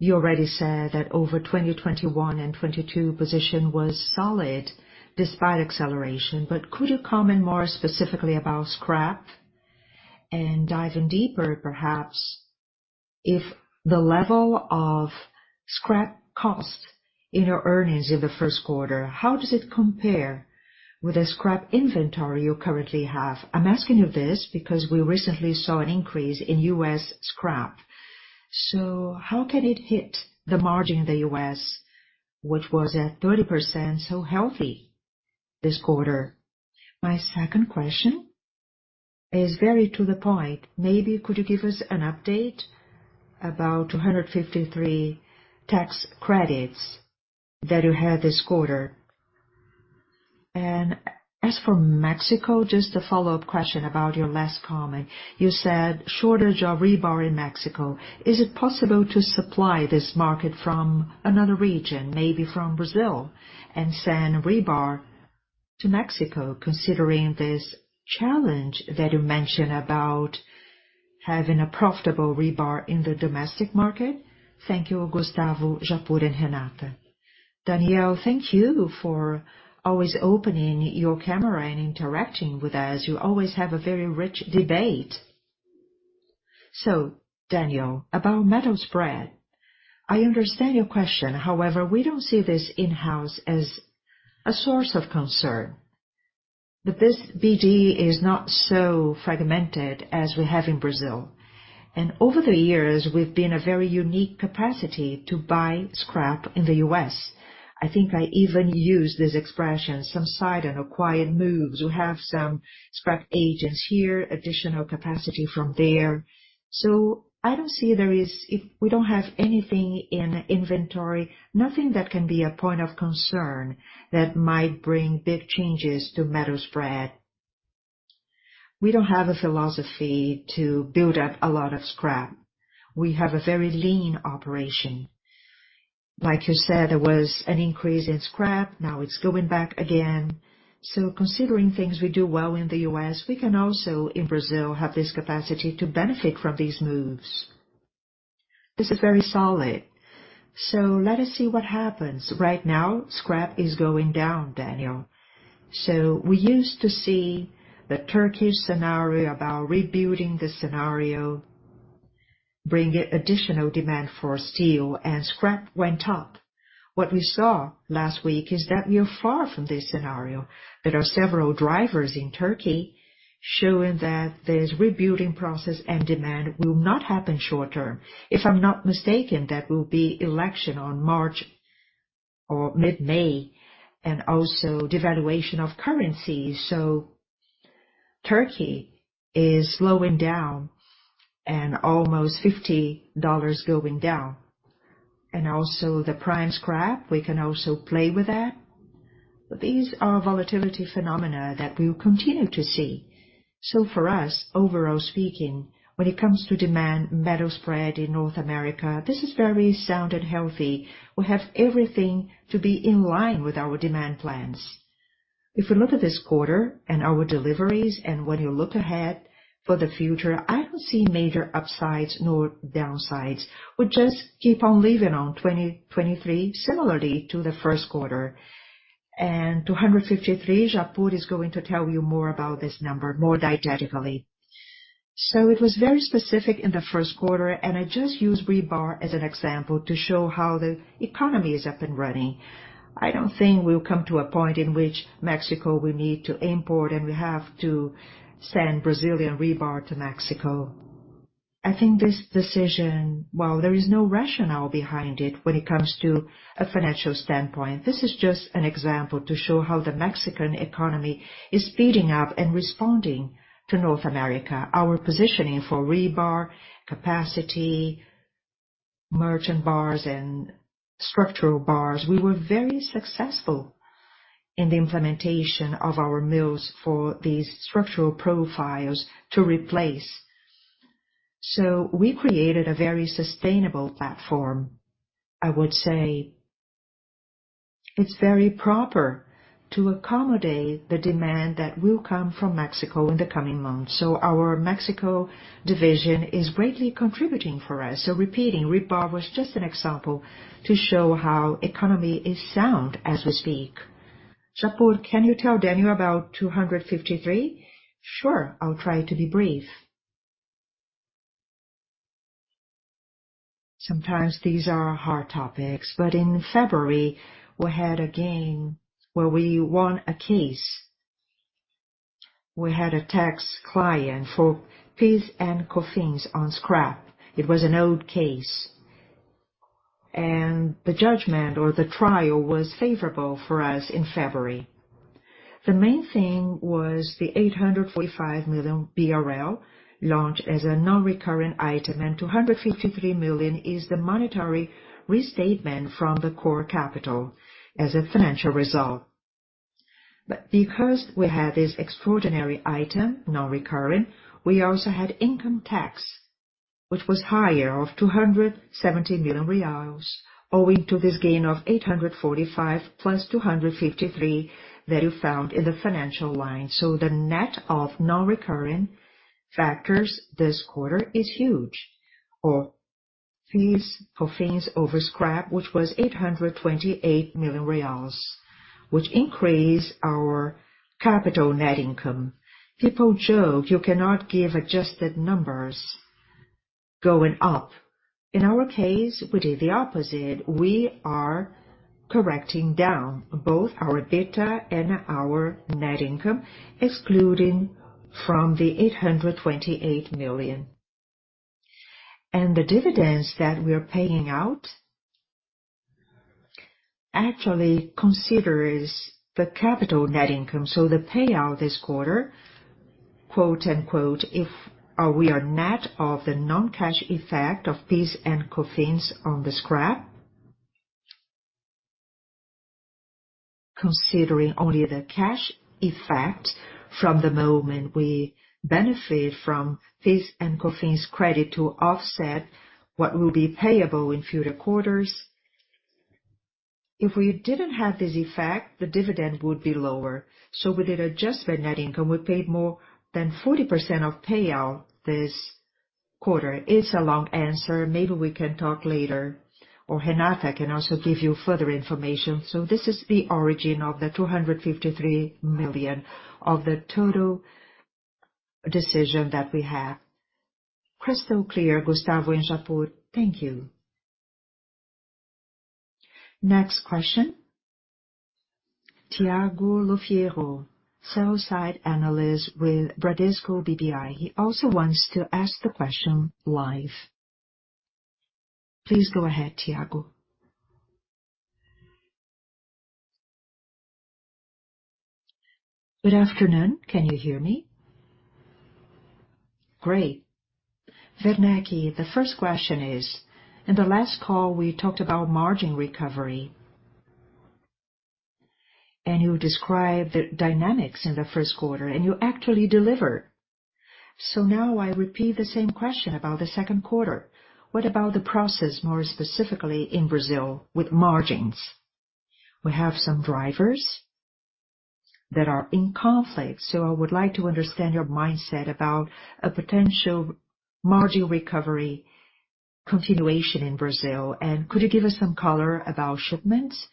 you already said that over 2021 and 2022 position was solid despite acceleration. Could you comment more specifically about scrap and dive in deeper perhaps if the level of scrap cost in your earnings in the first quarter, how does it compare with the scrap inventory you currently have? I'm asking you this because we recently saw an increase in U.S. scrap. How can it hit the margin in the U.S., which was at 30%, so healthy this quarter? My second question is very to the point. Maybe could you give us an update about 253 tax credits that you had this quarter? As for Mexico, just a follow-up question about your last comment. You said shortage of rebar in Mexico. Is it possible to supply this market from another region, maybe from Brazil, and send rebar to Mexico, considering this challenge that you mentioned about having a profitable rebar in the domestic market? Thank you, Gustavo, Japur, and Renata. Daniel, thank you for always opening your camera and interacting with us. You always have a very rich debate. Daniel, about metal spread. I understand your question. However, we don't see this in-house as a source of concern. This BD is not so fragmented as we have in Brazil. Over the years, we've been a very unique capacity to buy scrap in the U.S. I think I even used this expression, some silent or quiet moves. We have some scrap agents here, additional capacity from there. I don't see if we don't have anything in inventory, nothing that can be a point of concern that might bring big changes to metal spread. We don't have a philosophy to build up a lot of scrap. We have a very lean operation. Like you said, there was an increase in scrap. Now it's going back again. Considering things, we do well in the U.S., we can also, in Brazil, have this capacity to benefit from these moves. This is very solid. Let us see what happens. Right now, scrap is going down, Daniel. We used to see the Turkey scenario about rebuilding the scenario, bringing additional demand for steel and scrap went up. What we saw last week is that we are far from this scenario. There are several drivers in Turkey showing that this rebuilding process and demand will not happen short term. If I'm not mistaken, there will be election on March or mid-May and also devaluation of currency. Turkey is slowing down and almost $50 going down. Also, the prime scrap, we can also play with that. These are volatility phenomena that we'll continue to see. For us, overall speaking, when it comes to demand metal spread in North America, this is very sound and healthy. We have everything to be in line with our demand plans. If we look at this quarter and our deliveries and when you look ahead for the future, I don't see major upsides nor downsides. We just keep on living on 2023 similarly to the first quarter. 253, Japur is going to tell you more about this number more didactically. It was very specific in the first quarter, and I just used rebar as an example to show how the economy is up and running. I don't think we'll come to a point in which Mexico will need to import and we have to send Brazilian rebar to Mexico. I think this decision, while there is no rationale behind it when it comes to a financial standpoint, this is just an example to show how the Mexican economy is speeding up and responding to North America. Our positioning for rebar capacity, merchant bars and structural bars, we were very successful in the implementation of our mills for these structural profiles to replace. We created a very sustainable platform. I would say it's very proper to accommodate the demand that will come from Mexico in the coming months. Our Mexico division is greatly contributing for us. Repeating, rebar was just an example to show how economy is sound as we speak. Japur, can you tell Daniel about 253? Sure. I'll try to be brief. Sometimes these are hard topics. In February, we had again where we won a case. We had a tax client for PIS/COFINS on scrap. It was an old case, and the judgment or the trial was favorable for us in February. The main thing was the 845 million BRL launched as a non-recurring item, and 253 million is the monetary restatement from the core capital as a financial result. Because we had this extraordinary item, non-recurring, we also had income tax, which was higher of 270 million reais, owing to this gain of 845 million plus 253 million that you found in the financial line. The net of non-recurring factors this quarter is huge, or PIS/Cofins over scrap, which was 828 million reais, which increased our capital net income. People joke you cannot give adjusted numbers going up. In our case, we did the opposite. We are correcting down both our EBITDA and our net income, excluding from the 828 million. The dividends that we are paying out actually considers the capital net income. The payout this quarter, quote-unquote, if we are net of the non-cash effect of PIS and Cofins on the scrap. Considering only the cash effect from the moment we benefit from PIS/COFINS credit to offset what will be payable in future quarters. If we didn't have this effect, the dividend would be lower. We did adjust the net income. We paid more than 40% of payout this quarter. It's a long answer. Maybe we can talk later, or Renata can also give you further information. This is the origin of the 253 million of the total decision that we have. Crystal clear, Gustavo and Japur. Thank you. Next question, Thiago Lofiego, sell-side analyst with Bradesco BBI. He also wants to ask the question live. Please go ahead, Thiago. Good afternoon. Can you hear me? Great. Werneck, the first question is, in the last call, we talked about margin recovery. You described the dynamics in the first quarter, and you actually delivered. Now I repeat the same question about the second quarter. What about the process, more specifically in Brazil, with margins? We have some drivers that are in conflict, so I would like to understand your mindset about a potential margin recovery continuation in Brazil. Could you give us some color about shipments?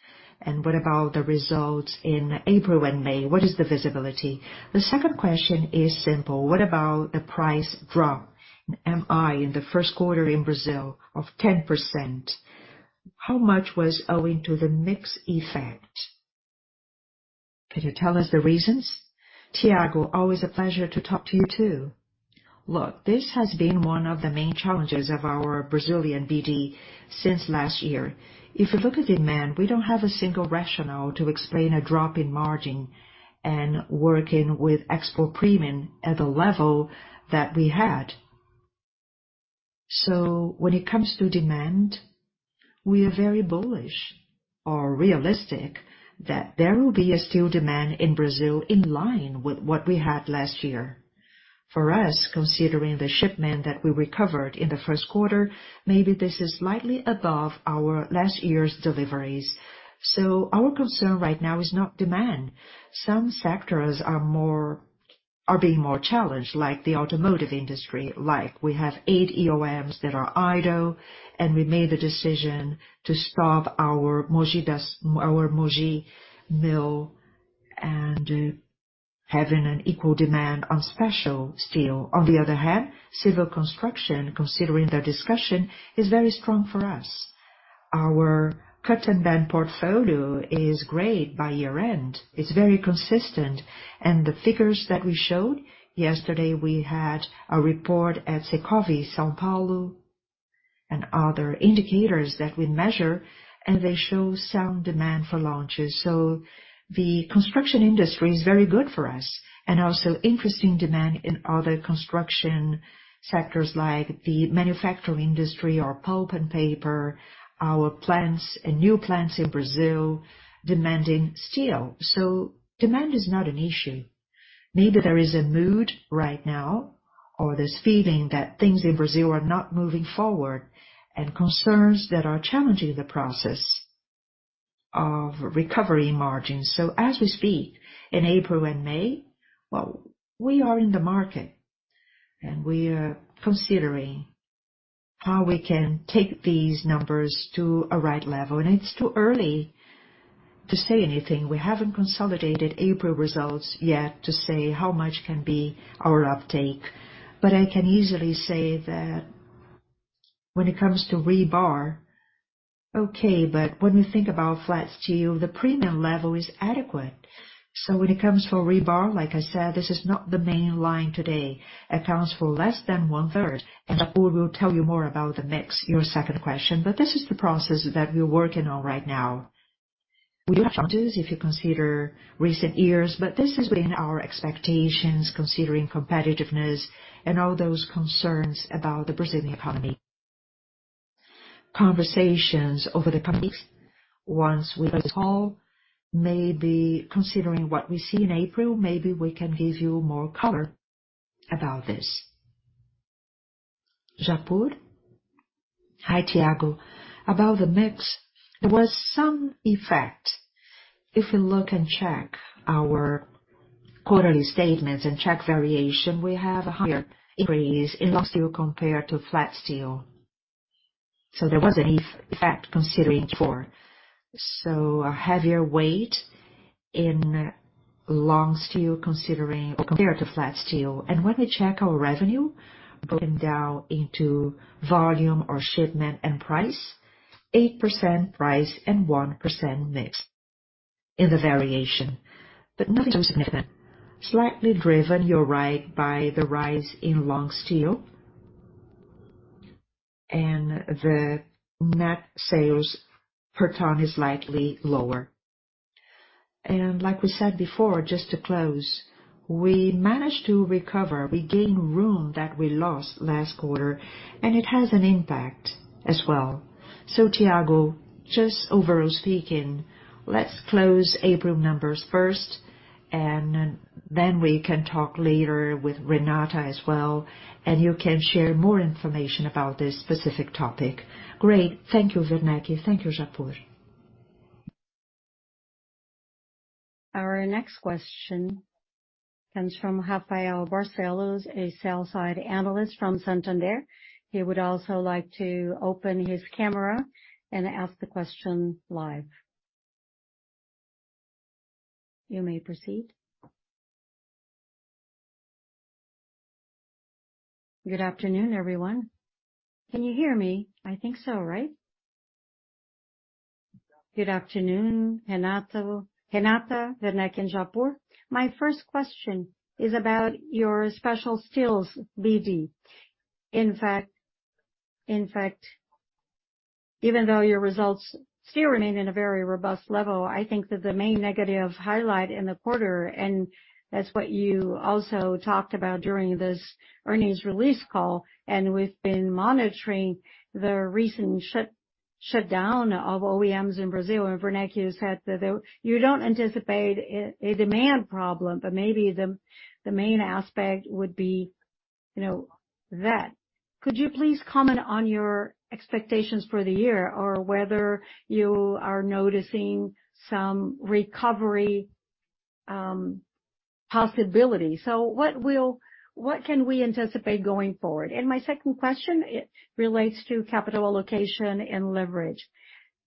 What about the results in April and May? What is the visibility? The second question is simple: What about the price drop in MI in the first quarter in Brazil of 10%? How much was owing to the mix effect? Could you tell us the reasons? Thiago, always a pleasure to talk to you, too. Look, this has been one of the main challenges of our Brazilian BD since last year. We don't have a single rationale to explain a drop in margin and working with export premium at the level that we had. When it comes to demand, we are very bullish or realistic that there will be a steel demand in Brazil in line with what we had last year. For us, considering the shipment that we recovered in the 1st quarter, maybe this is slightly above our last year's deliveries. Our concern right now is not demand. Some sectors are being more challenged, like the automotive industry. Like we have 8 OEMs that are idle, and we made the decision to stop our Mogi mill and having an equal demand on special steel. On the other hand, civil construction, considering the discussion, is very strong for us. Our cut-and-bend portfolio is great by year-end. It's very consistent. The figures that we showed yesterday, we had a report at Secovi-SP, São Paulo, and other indicators that we measure, and they show sound demand for launches. The construction industry is very good for us. Also, interesting demand in other construction sectors like the manufacturing industry or pulp and paper, our plants and new plants in Brazil demanding steel. Demand is not an issue. Maybe there is a mood right now or this feeling that things in Brazil are not moving forward and concerns that are challenging the process of recovery margins. As we speak in April and May, well, we are in the market, and we are considering how we can take these numbers to a right level. It's too early to say anything. We haven't consolidated April results yet to say how much can be our uptake. I can easily say that when it comes to rebar, okay, but when you think about flat steel, the premium level is adequate. When it comes for rebar, like I said, this is not the main line today. Accounts for less than one-third. Japur will tell you more about the mix, your second question. This is the process that we're working on right now. We do have challenges if you consider recent years, but this has been our expectations considering competitiveness and all those concerns about the Brazilian economy. Conversations over the companies, ones with us call, maybe considering what we see in April, maybe we can give you more color about this. Japur. Hi, Thiago. About the mix, there was some effect. If we look and check our quarterly statements and check variation, we have a higher increase in long steel compared to flat steel. There was an effect considering 4. A heavier weight in long steel considering or compared to flat steel. When we check our revenue broken down into volume or shipment and price, 8% price and 1% mix in the variation. Nothing too significant. Slightly driven, you're right, by the rise in long steel. The net sales per ton is slightly lower. Like we said before, just to close, we managed to recover. We gained room that we lost last quarter, and it has an impact as well. Thiago, just overall speaking, let's close April numbers first and then we can talk later with Renata as well, and you can share more information about this specific topic. Great. Thank you, Werneck. Thank you, Japur. Our next question comes from Rafael Barcellos, a sell side analyst from Santander. He would also like to open his camera and ask the question live. You may proceed. Good afternoon, everyone. Can you hear me? I think so, right? Good afternoon, Renata, Werneck and Japur. My first question is about your special steels, BD. In fact, even though your results still remain in a very robust level, I think that the main negative highlight in the quarter, that's what you also talked about during this earnings release call, we've been monitoring the recent shutdown of OEMs in Brazil. Werneck has said that you don't anticipate a demand problem, but maybe the main aspect would be, you know that. Could you please comment on your expectations for the year or whether you are noticing some recovery possibility? What can we anticipate going forward? My second question, it relates to capital allocation and leverage.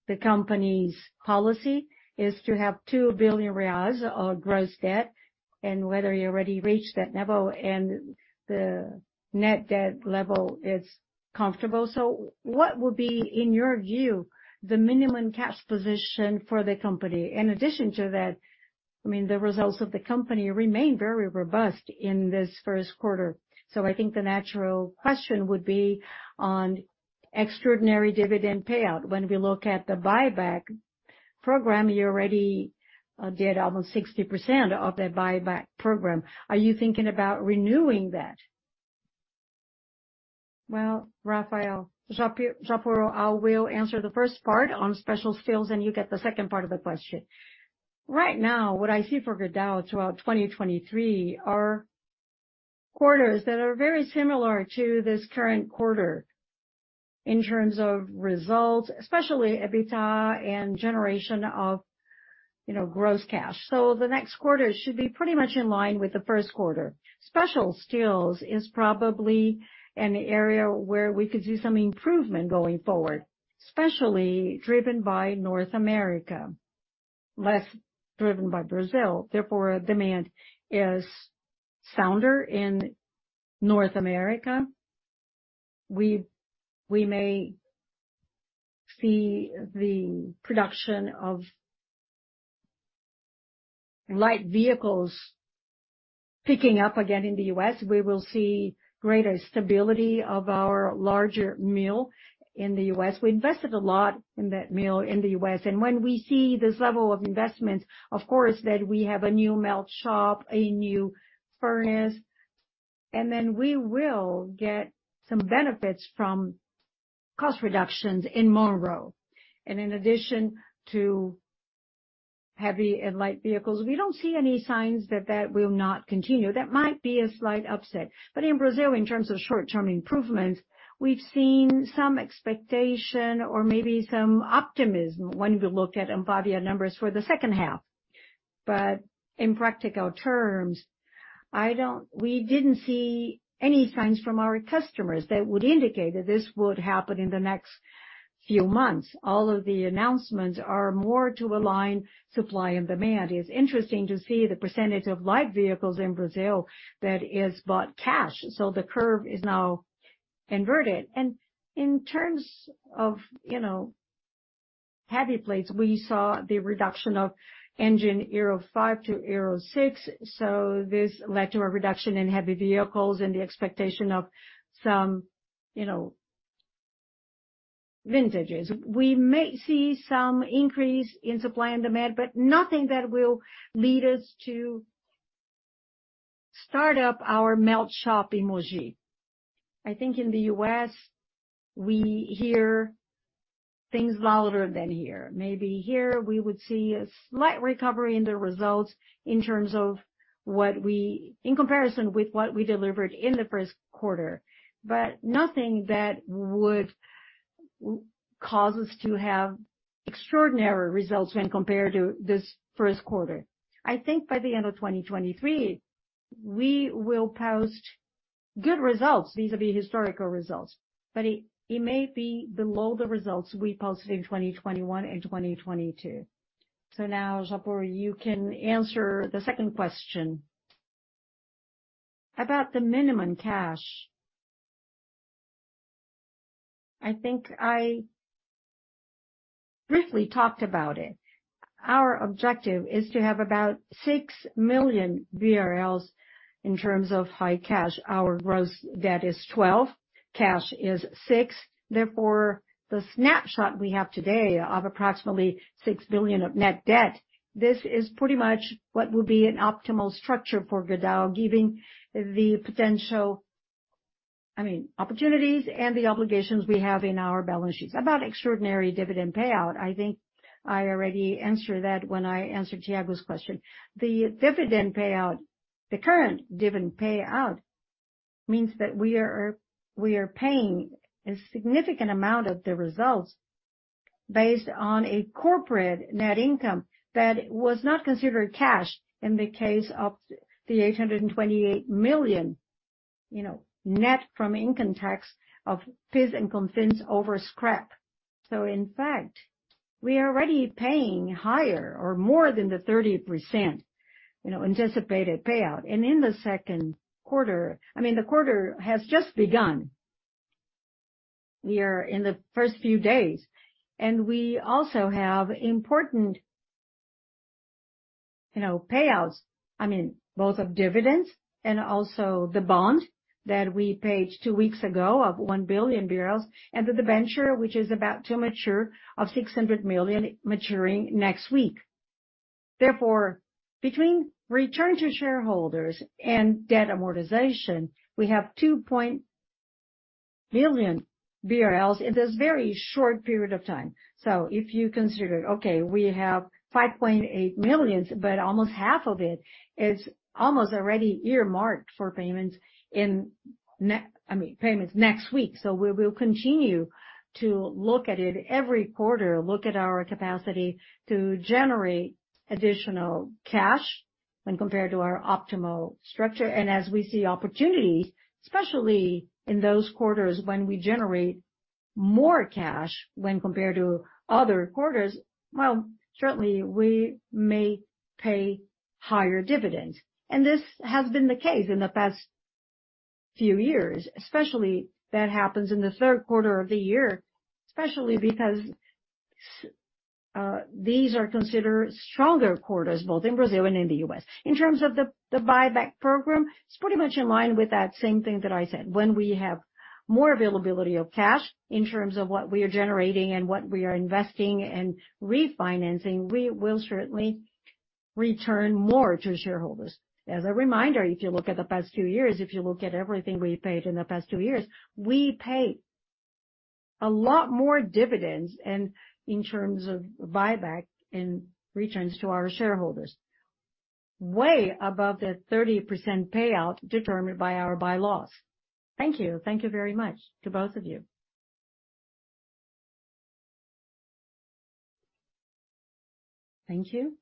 The company's policy is to have 2 billion reais of gross debt, and whether you already reached that level and the net debt level is comfortable. What would be, in your view, the minimum cash position for the company? In addition to that, I mean, the results of the company remain very robust in this first quarter. I think the natural question would be on extraordinary dividend payout. When we look at the buyback program, you already did almost 60% of that buyback program. Are you thinking about renewing that? Rafael Japur will answer the first part on special steels, and you get the second part of the question. Right now, what I see for Gerdau throughout 2023 are quarters that are very similar to this current quarter in terms of results, especially EBITDA and generation of, you know, gross cash. The next quarter should be pretty much in line with the first quarter. Special steels is probably an area where we could do some improvement going forward, especially driven by North America, less driven by Brazil. Demand is sounder in North America. We may see the production of light vehicles picking up again in the U.S. We will see greater stability of our larger mill in the U.S. We invested a lot in that mill in the U.S. When we see this level of investment, of course, that we have a new melt shop, a new furnace, we will get some benefits from cost reductions in Midlothian. In addition to heavy and light vehicles, we don't see any signs that that will not continue. That might be a slight upset. In Brazil, in terms of short-term improvements, we've seen some expectation or maybe some optimism when we look at ANFAVEA numbers for the second half. In practical terms, we didn't see any signs from our customers that would indicate that this would happen in the next few months. All of the announcements are more to align supply and demand. It's interesting to see the percentage of light vehicles in Brazil that is bought cash. The curve is now inverted. In terms of, you know, heavy plates, we saw the reduction of engine Euro 5 to Euro 6. This led to a reduction in heavy vehicles and the expectation of some, you know-Vintages. We may see some increase in supply and demand, but nothing that will lead us to start up our melt shop Mogi. I think in the U.S., we hear things louder than here. Maybe here we would see a slight recovery in the results in terms of what we delivered in the first quarter, nothing that would cause us to have extraordinary results when compared to this first quarter. I think by the end of 2023, we will post good results. Vis-à-vis historical results. It may be below the results we posted in 2021 and 2022. Now, Japur, you can answer the second question about the minimum cash. I think I briefly talked about it. Our objective is to have about 6 million in terms of high cash. Our gross debt is 12, cash is 6. The snapshot we have today of approximately 6 billion of net debt, this is pretty much what will be an optimal structure for Gerdau, giving the potential, I mean, opportunities and the obligations we have in our balance sheets. About extraordinary dividend payout, I think I already answered that when I answered Thiago's question. The dividend payout, the current dividend payout means that we are paying a significant amount of the results based on a corporate net income that was not considered cash in the case of the 828 million, you know, net from income tax of PIS and COFINS over scrap. In fact, we are already paying higher or more than the 30%, you know, anticipated payout. I mean, the quarter has just begun. We are in the first few days, we also have important, you know, payouts. I mean, both of dividends and also the bond that we paid two weeks ago of 1 billion BRL, the debenture, which is about to mature of 600 million maturing next week. Between return to shareholders and debt amortization, we have 2 billion BRL in this very short period of time. If you consider, okay, we have 5.8 million, but almost half of it is almost already earmarked for payments, I mean, payments next week. We will continue to look at it every quarter, look at our capacity to generate additional cash when compared to our optimal structure. As we see opportunities, especially in those quarters when we generate more cash when compared to other quarters, well, certainly we may pay higher dividends. This has been the case in the past few years, especially that happens in the third quarter of the year. Especially because these are considered stronger quarters, both in Brazil and in the U.S. In terms of the buyback program, it's pretty much in line with that same thing that I said. When we have more availability of cash in terms of what we are generating and what we are investing and refinancing, we will certainly return more to shareholders. As a reminder, if you look at the past 2 years, if you look at everything we paid in the past 2 years, we paid a lot more dividends and in terms of buyback and returns to our shareholders, way above the 30% payout determined by our bylaws. Thank you. Thank you very much to both of you. Thank you.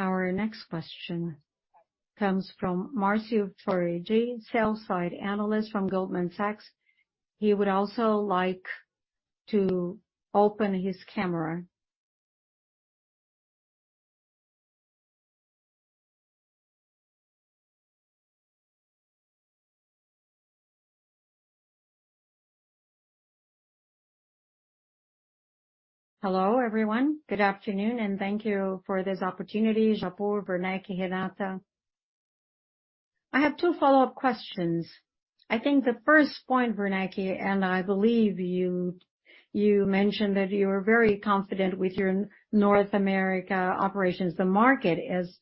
Our next question comes from Marcio Farid, sell-side analyst from Goldman Sachs. He would also like to open his camera. Hello, everyone. Good afternoon, Thank you for this opportunity, Japur, Werneck, Renata. I have 2 follow-up questions. I think the first point, Werneck, I believe you mentioned that you are very confident with your North America operations. The market is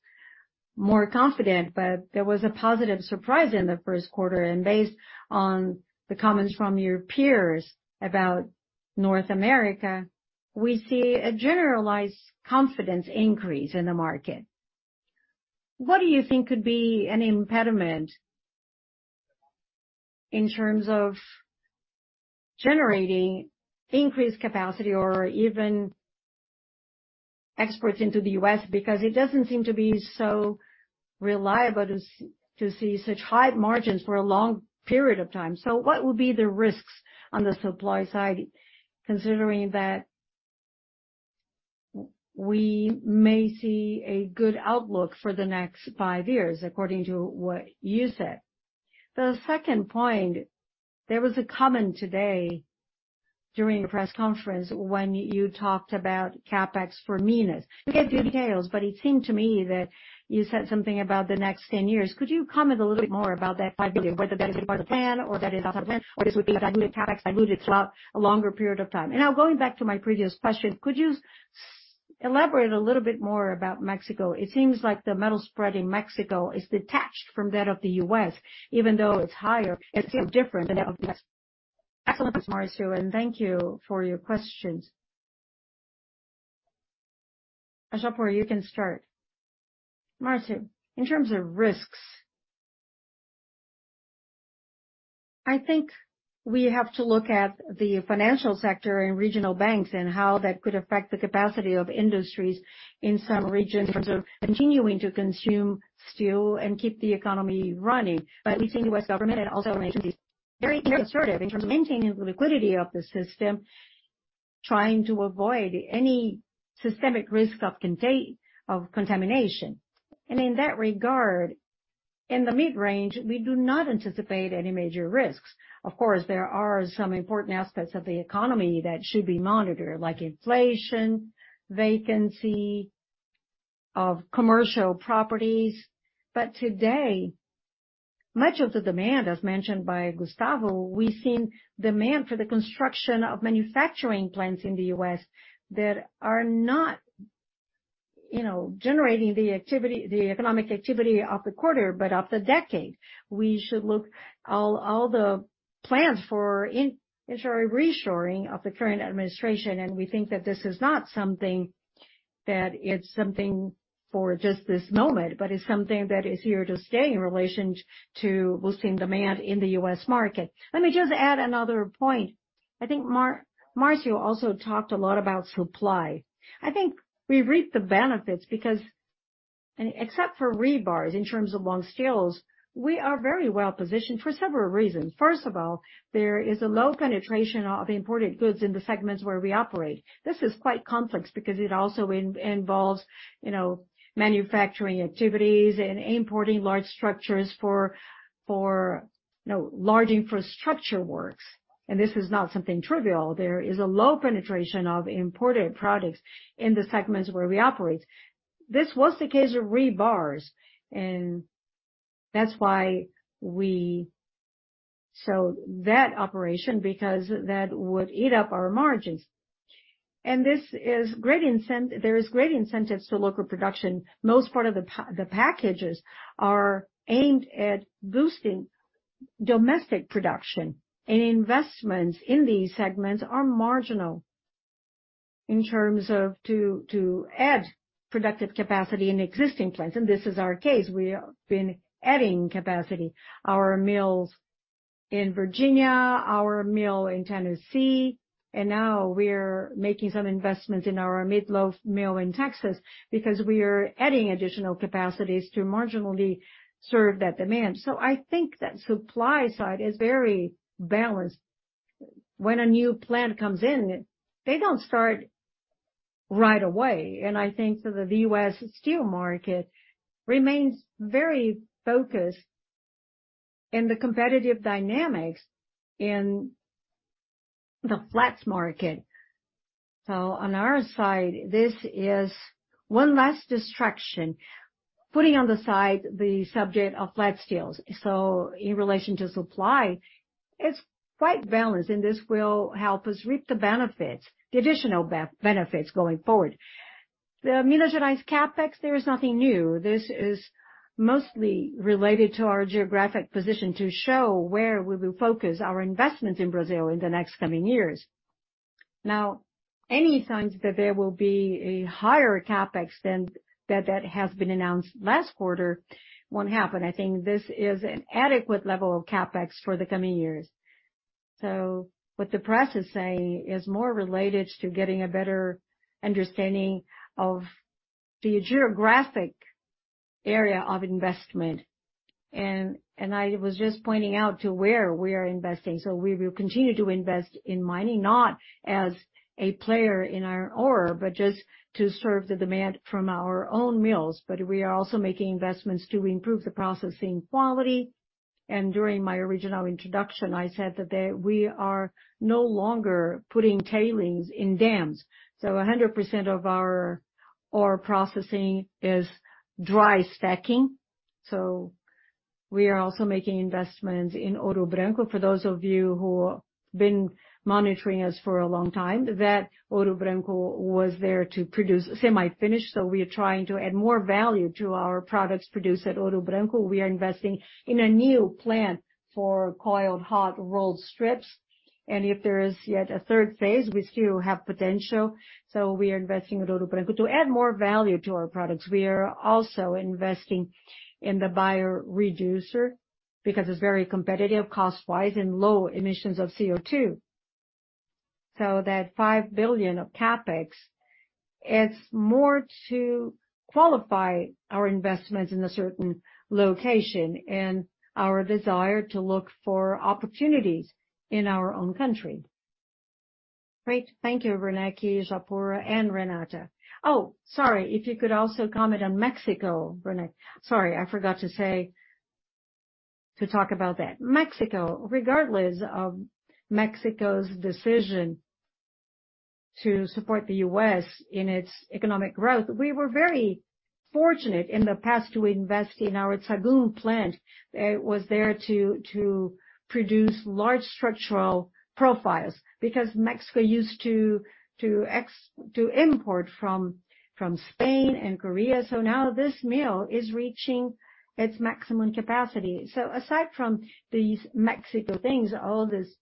more confident, but there was a positive surprise in the first quarter. Based on the comments from your peers about North America, we see a generalized confidence increase in the market. What do you think could be an impediment in terms of generating increased capacity or even exports into the US? Because it doesn't seem to be so reliable to see such high margins for a long period of time. What would be the risks on the supply side, considering that we may see a good outlook for the next 5 years, according to what you said? The second point, there was a comment today during the press conference, when you talked about CapEx for Minas. You gave few details, but it seemed to me that you said something about the next 10 years. Could you comment a little bit more about that 5 billion, whether that is part of the plan or that is outside the plan, or this would be the diluted CapEx throughout a longer period of time. Now going back to my previous question, could you elaborate a little bit more about Mexico? It seems like the metal spread in Mexico is detached from that of the U.S., even though it's higher, it's still different than that of the U.S. Excellent, Marcio. Thank you for your questions. Japur, you can start. Marcio, in terms of risks. I think we have to look at the financial sector and regional banks, and how that could affect the capacity of industries in some regions in terms of continuing to consume steel and keep the economy running. We've seen U.S. government and also nations being very, very assertive in terms of maintaining the liquidity of the system, trying to avoid any systemic risk of contamination. In that regard, in the mid-range, we do not anticipate any major risks. Of course, there are some important aspects of the economy that should be monitored, like inflation, vacancy of commercial properties. Today, much of the demand, as mentioned by Gustavo, we've seen demand for the construction of manufacturing plants in the US that are not, you know, generating the activity, the economic activity of the quarter, but of the decade. We should look all the plans for industrial reshoring of the current administration. We think that this is not something that it's something for just this moment, but it's something that is here to stay in relation to boosting demand in the US market. Let me just add another point. I think Marcio also talked a lot about supply. I think we reap the benefits because except for rebars, in terms of long steels, we are very well-positioned for several reasons. First of all, there is a low penetration of imported goods in the segments where we operate. This is quite complex because it also involves, you know, manufacturing activities and importing large structures for, you know, large infrastructure works. This is not something trivial. There is a low penetration of imported products in the segments where we operate. This was the case with rebars, and that's why we sold that operation, because that would eat up our margins. This is great incentives to local production. Most part of the packages are aimed at boosting domestic production. Investments in these segments are marginal in terms of to add productive capacity in existing plants. This is our case. We have been adding capacity. Our mills in Virginia, our mill in Tennessee, and now we're making some investments in our Midlothian mill in Texas because we are adding additional capacities to marginally serve that demand. I think that supply side is very balanced. When a new plant comes in, they don't start right away. I think that the U.S. steel market remains very focused in the competitive dynamics in the flats market. On our side, this is one less distraction, putting on the side the subject of flat steels. In relation to supply, it's quite balanced, and this will help us reap the benefits, the additional benefits going forward. The Minas Gerais CapEx, there is nothing new. This is mostly related to our geographic position to show where we will focus our investments in Brazil in the next coming years. Any signs that there will be a higher CapEx than that has been announced last quarter won't happen. I think this is an adequate level of CapEx for the coming years. What the press is saying is more related to getting a better understanding of the geographic area of investment. I was just pointing out to where we are investing. We will continue to invest in mining, not as a player in our ore, but just to serve the demand from our own mills. We are also making investments to improve the processing quality. During my original introduction, I said that we are no longer putting tailings in dams. 100% of our ore processing is dry stacking. We are also making investments in Ouro Branco. For those of you who have been monitoring us for a long time, that Ouro Branco was there to produce semi-finished. We are trying to add more value to our products produced at Ouro Branco. We are investing in a new plant for coiled hot rolled strips. If there is yet a third phase, we still have potential. We are investing in Ouro Branco. To add more value to our products, we are also investing in the bio-reducer because it's very competitive cost-wise and low emissions of CO2. That $5 billion of CapEx, it's more to qualify our investments in a certain location and our desire to look for opportunities in our own country. Great. Thank you, Rene, Japur and Renata. Sorry, if you could also comment on Mexico, Rene. Sorry, I forgot to talk about that. Mexico, regardless of Mexico's decision to support the U.S. in its economic growth, we were very fortunate in the past to invest in our Taquaril plant. It was there to produce large structural profiles because Mexico used to import from Spain and Korea. Now this mill is reaching its maximum capacity. Aside from these Mexico things, all this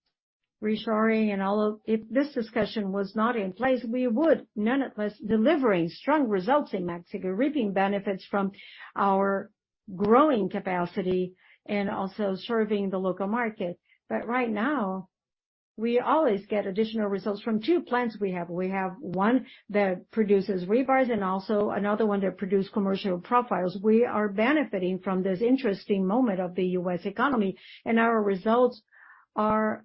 reshoring and all of. If this discussion was not in place, we would nonetheless delivering strong results in Mexico, reaping benefits from our growing capacity and also serving the local market. Right now, we always get additional results from two plants we have. We have one that produces rebars and also another one that produce commercial profiles. We are benefiting from this interesting moment of the U.S. economy, and our results are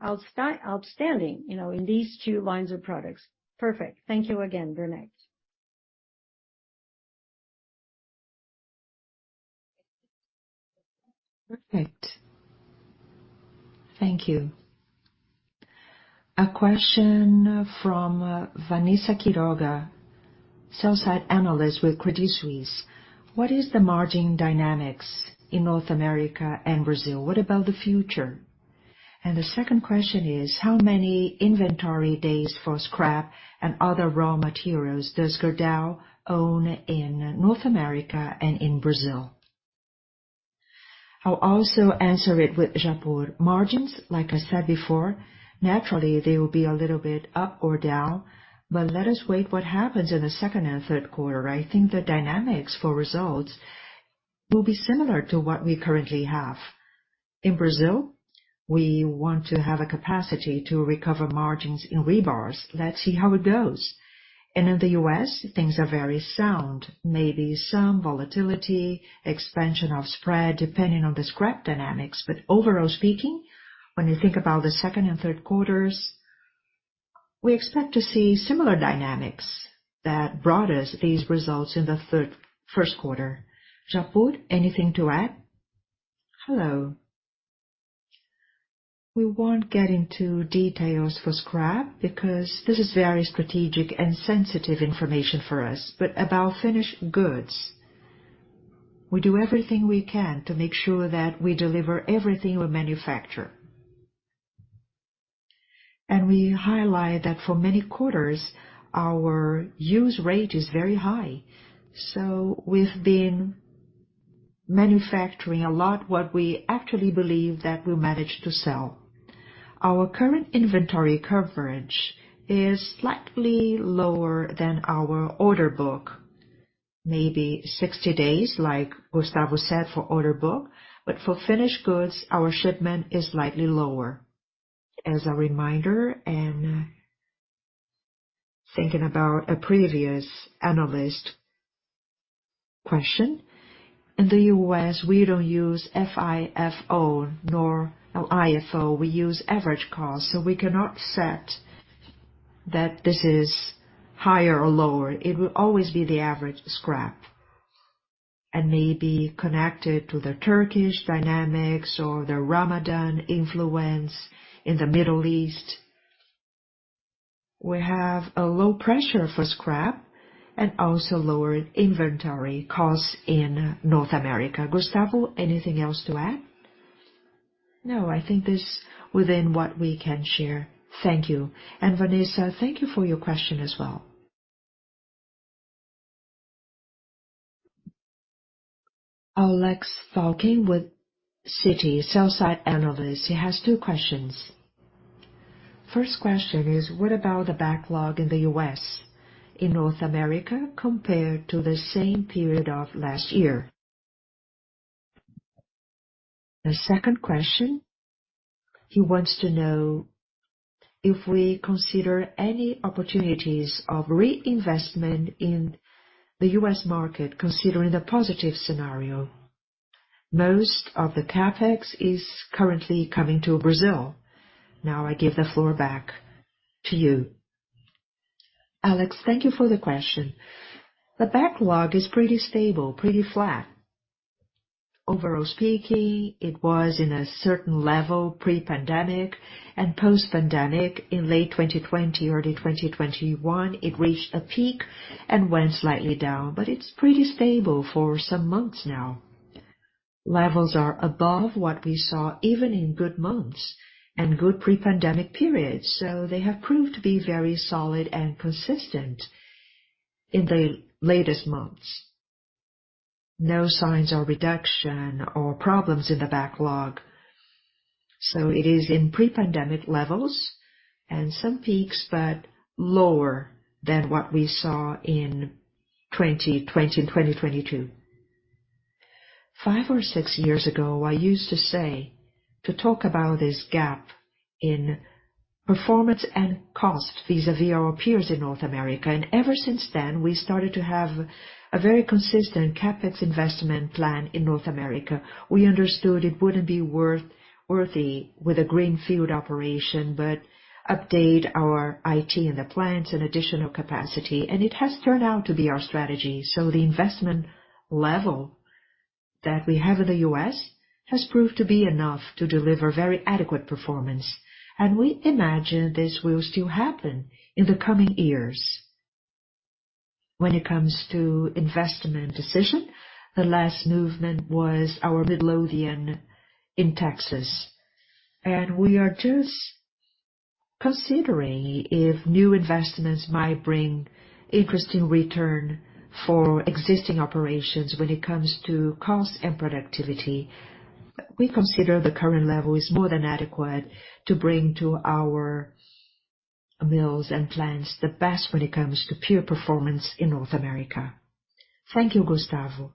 outstanding, you know, in these two lines of products. Perfect. Thank you again, Bernadette. Perfect. Thank you. A question from Vanessa Quiroga, sell-side analyst with Credit Suisse. What is the margin dynamics in North America and Brazil? What about the future? The second question is, how many inventory days for scrap and other raw materials does Gerdau own in North America and in Brazil? I'll also answer it with Japur. Margins, like I said before, naturally, they will be a little bit up or down, but let us wait what happens in the second and third quarter. I think the dynamics for results will be similar to what we currently have. In Brazil, we want to have a capacity to recover margins in rebars. Let's see how it goes. In the US, things are very sound. Maybe some volatility, expansion of spread depending on the scrap dynamics. Overall speaking, when you think about the second and third quarters, we expect to see similar dynamics that brought us these results in the first quarter. Japur, anything to add? Hello. We won't get into details for scrap because this is very strategic and sensitive information for us. About finished goods, we do everything we can to make sure that we deliver everything we manufacture. We highlight that for many quarters, our use rate is very high. We've been manufacturing a lot what we actually believe that we manage to sell. Our current inventory coverage is slightly lower than our order book. Maybe 60 days, like Gustavo said, for order book. For finished goods, our shipment is slightly lower. As a reminder and thinking about a previous analyst question, in the U.S., we don't use FIFO nor LIFO. We use average cost, we cannot set that this is higher or lower. It will always be the average scrap maybe connected to the Turkish dynamics or the Ramadan influence in the Middle East. We have a low pressure for scrap and also lower inventory costs in North America. Gustavo, anything else to add? No, I think this within what we can share. Thank you. Vanessa, thank you for your question as well. Gabriel Barra with Citi, sell-side analyst. He has two questions. First question is, what about the backlog in the U.S., in North America, compared to the same period of last year? The second question, he wants to know if we consider any opportunities of reinvestment in the U.S. market, considering the positive scenario. Most of the CapEx is currently coming to Brazil. I give the floor back to you. Alex, thank you for the question. The backlog is pretty stable, pretty flat. Overall speaking, it was in a certain level pre-pandemic and post-pandemic. In late 2020, early 2021, it reached a peak and went slightly down, but it's pretty stable for some months now. Levels are above what we saw even in good months and good pre-pandemic periods, so they have proved to be very solid and consistent in the latest months. No signs of reduction or problems in the backlog. It is in pre-pandemic levels and some peaks, but lower than what we saw in 2020 and 2022. Five or six years ago, I used to say to talk about this gap in performance and cost vis-à-vis our peers in North America. Ever since then, we started to have a very consistent CapEx investment plan in North America. We understood it wouldn't be worth-worthy with a greenfield operation, but update our IT and the plants and additional capacity, and it has turned out to be our strategy. The investment level that we have in the US has proved to be enough to deliver very adequate performance, and we imagine this will still happen in the coming years. When it comes to investment decision, the last movement was our Midlothian in Texas. We are just considering if new investments might bring interesting return for existing operations when it comes to cost and productivity. We consider the current level is more than adequate to bring to our mills and plants the best when it comes to pure performance in North America. Thank you, Gustavo.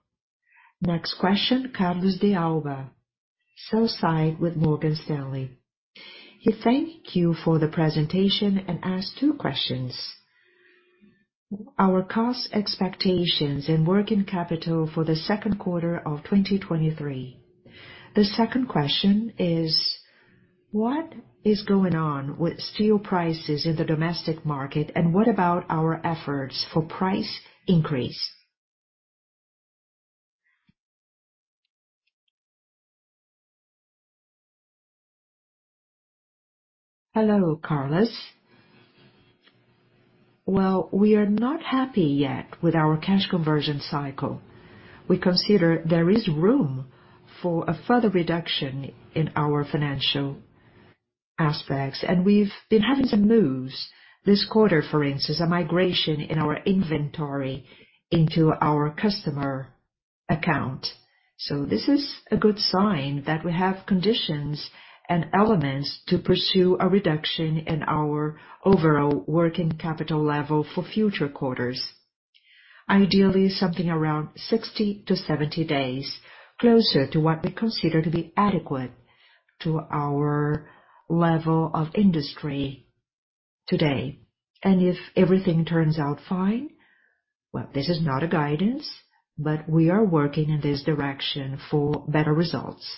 Next question, Carlos de Alba, sell-side with Morgan Stanley. He thank you for the presentation and ask two questions. Our cost expectations and working capital for the second quarter of 2023. The second question is, what is going on with steel prices in the domestic market, and what about our efforts for price increase? Hello, Carlos. We are not happy yet with our cash conversion cycle. We consider there is room for a further reduction in our financial aspects. We've been having some moves this quarter. For instance, a migration in our inventory into our customer account. This is a good sign that we have conditions and elements to pursue a reduction in our overall working capital level for future quarters. Ideally, something around 60-70 days, closer to what we consider to be adequate to our level of industry today. If everything turns out fine, well, this is not a guidance, but we are working in this direction for better results.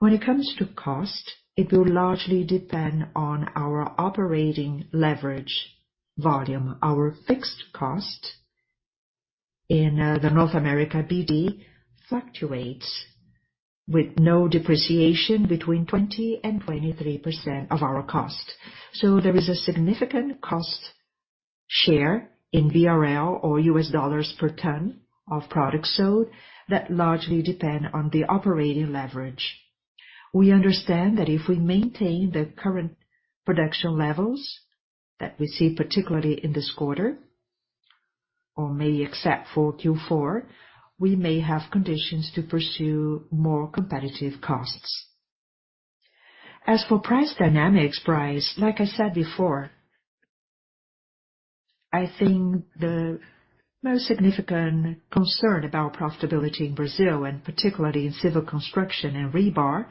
When it comes to cost, it will largely depend on our operating leverage volume. Our fixed cost in the North America BD fluctuates with no depreciation between 20% and 23% of our cost. There is a significant cost share in BRL or US dollars per ton of products sold that largely depend on the operating leverage. We understand that if we maintain the current production levels that we see, particularly in this quarter or maybe except for Q4, we may have conditions to pursue more competitive costs. As for price dynamics, Bryce, like I said before, I think the most significant concern about profitability in Brazil and particularly in civil construction and rebar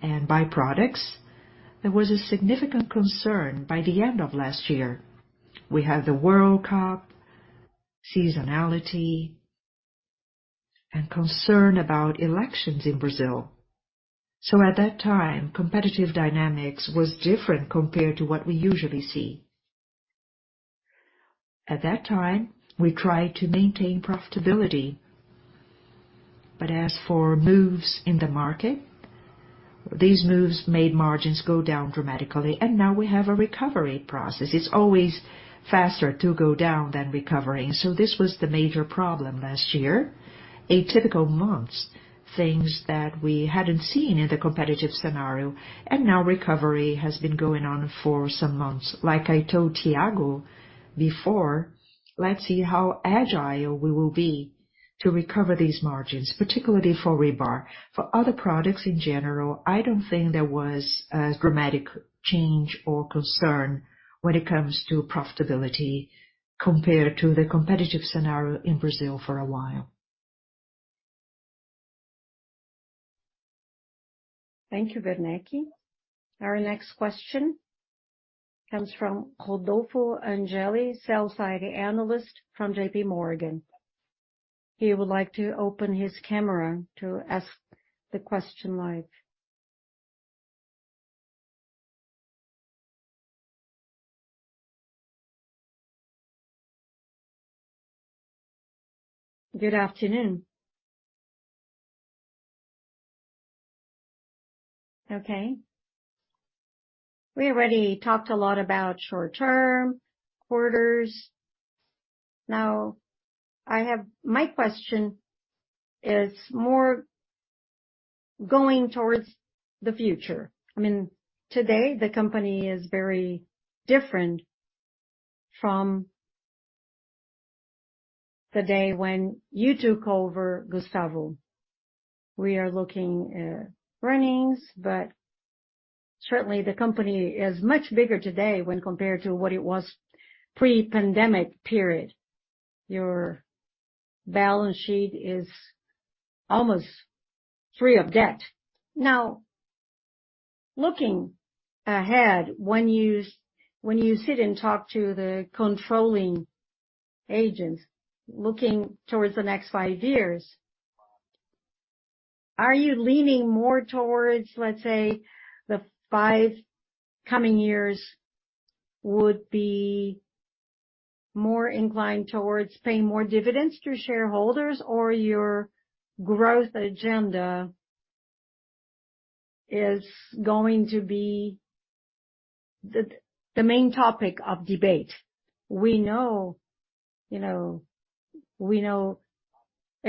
and byproducts, there was a significant concern by the end of last year. We had the World Cup, seasonality and concern about elections in Brazil. At that time, competitive dynamics was different compared to what we usually see. At that time, we tried to maintain profitability. As for moves in the market, these moves made margins go down dramatically, and now we have a recovery process. It's always faster to go down than recovering. This was the major problem last year. Atypical months, things that we hadn't seen in the competitive scenario. Now recovery has been going on for some months. Like I told Tiago before, let's see how agile we will be to recover these margins, particularly for rebar. For other products in general, I don't think there was a dramatic change or concern when it comes to profitability compared to the competitive scenario in Brazil for a while. Thank you, Werneck. Our next question comes from Rodolfo Angele, sell-side analyst from J.P. Morgan. He would like to open his camera to ask the question live. Good afternoon. Okay. We already talked a lot about short-term quarters. Now my question is more going towards the future. I mean, today the company is very different from the day when you took over Gustavo. We are looking at earnings, but certainly the company is much bigger today when compared to what it was pre-pandemic period. Your balance sheet is almost free of debt. Now, looking ahead, when you sit and talk to the controlling agents, looking towards the next 5 years, are you leaning more towards, let's say, the 5 coming years would be. More inclined towards paying more dividends to shareholders or your growth agenda is going to be the main topic of debate. We know, you know, we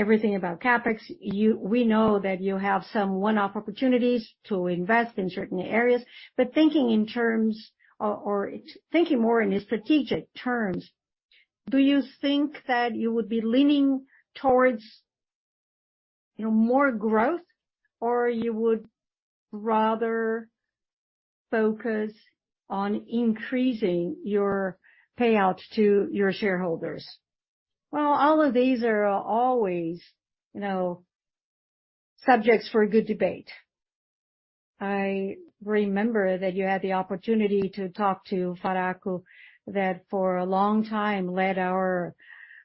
know everything about CapEx. We know that you have some one-off opportunities to invest in certain areas, but thinking in terms or thinking more in strategic terms, do you think that you would be leaning towards, you know, more growth or you would rather focus on increasing your payouts to your shareholders? Well, all of these are always, you know, subjects for a good debate. I remember that you had the opportunity to talk to Faraco, that for a long time led our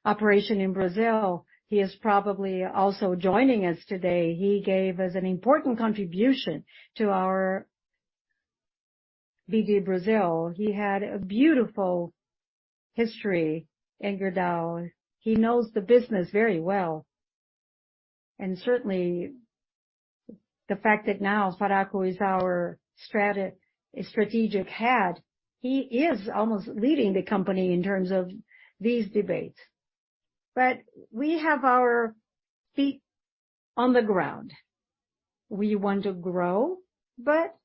operation in Brazil. He is probably also joining us today. He gave us an important contribution to our BD Brazil. He had a beautiful history in Gerdau. He knows the business very well. Certainly the fact that now Faraco is our strategic head, he is almost leading the company in terms of these debates. But we have our feet on the ground. We want to grow, but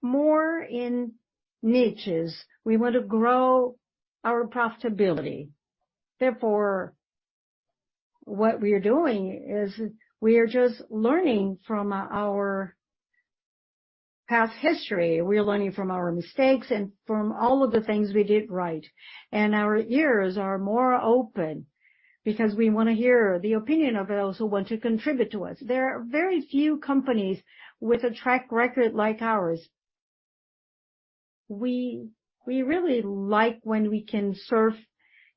more in niches. We want to grow our profitability. Therefore, what we are doing is we are just learning from our past history. We are learning from our mistakes and from all of the things we did right. And our ears are more open because we wanna hear the opinion of those who want to contribute to us. There are very few companies with a track record like ours. We really like when we can surf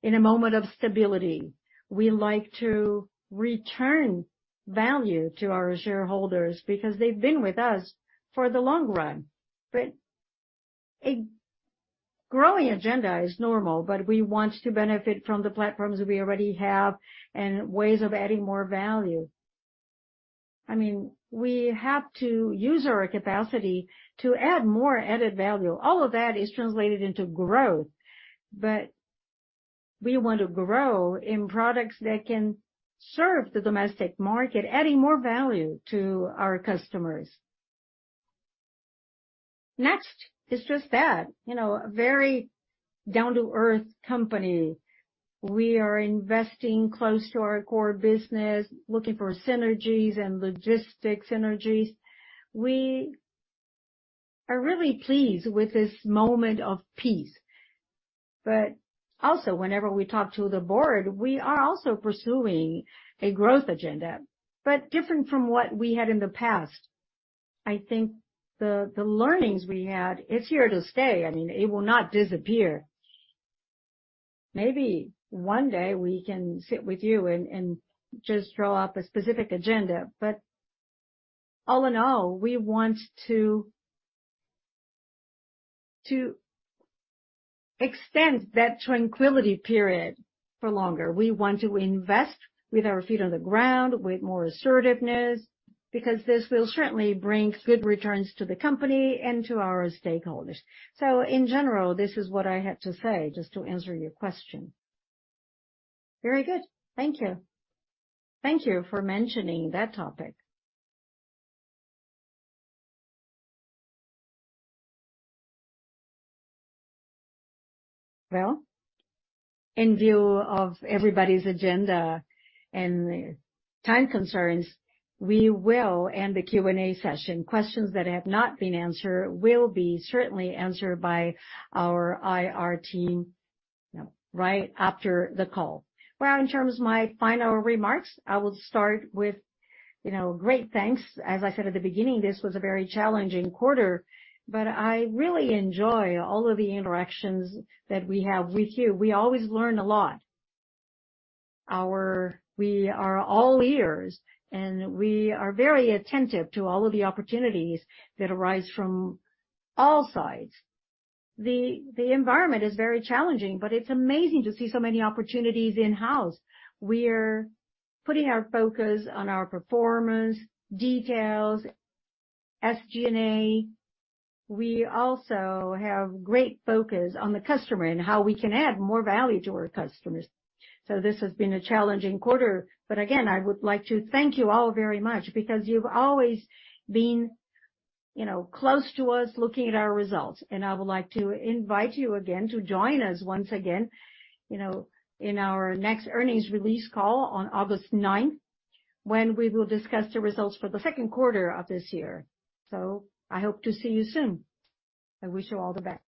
in a moment of stability. We like to return value to our shareholders because they've been with us for the long run. A growing agenda is normal, but we want to benefit from the platforms we already have and ways of adding more value. I mean, we have to use our capacity to add more added value. All of that is translated into growth. We want to grow in products that can serve the domestic market, adding more value to our customers. Next is just that, you know, a very down-to-earth company. We are investing close to our core business, looking for synergies and logistics synergies. We are really pleased with this moment of peace. Also whenever we talk to the board, we are also pursuing a growth agenda, but different from what we had in the past. I think the learnings we had is here to stay. I mean, it will not disappear. Maybe one day we can sit with you and just draw up a specific agenda, but all in all, we want to extend that tranquility period for longer. We want to invest with our feet on the ground with more assertiveness, because this will certainly bring good returns to the company and to our stakeholders. In general, this is what I had to say, just to answer your question. Very good. Thank you. Thank you for mentioning that topic. In view of everybody's agenda and time concerns, we will end the Q&A session. Questions that have not been answered will be certainly answered by our IR team, you know, right after the call. In terms of my final remarks, I will start with, you know, great thanks. As I said at the beginning, this was a very challenging quarter, but I really enjoy all of the interactions that we have with you. We always learn a lot. We are all ears, and we are very attentive to all of the opportunities that arise from all sides. The environment is very challenging, but it's amazing to see so many opportunities in-house. We're putting our focus on our performance, details, SG&A. We also have great focus on the customer and how we can add more value to our customers. This has been a challenging quarter. Again, I would like to thank you all very much because you've always been, you know, close to us looking at our results. I would like to invite you again to join us once again, you know, in our next earnings release call on August ninth, when we will discuss the results for the second quarter of this year. I hope to see you soon. I wish you all the best.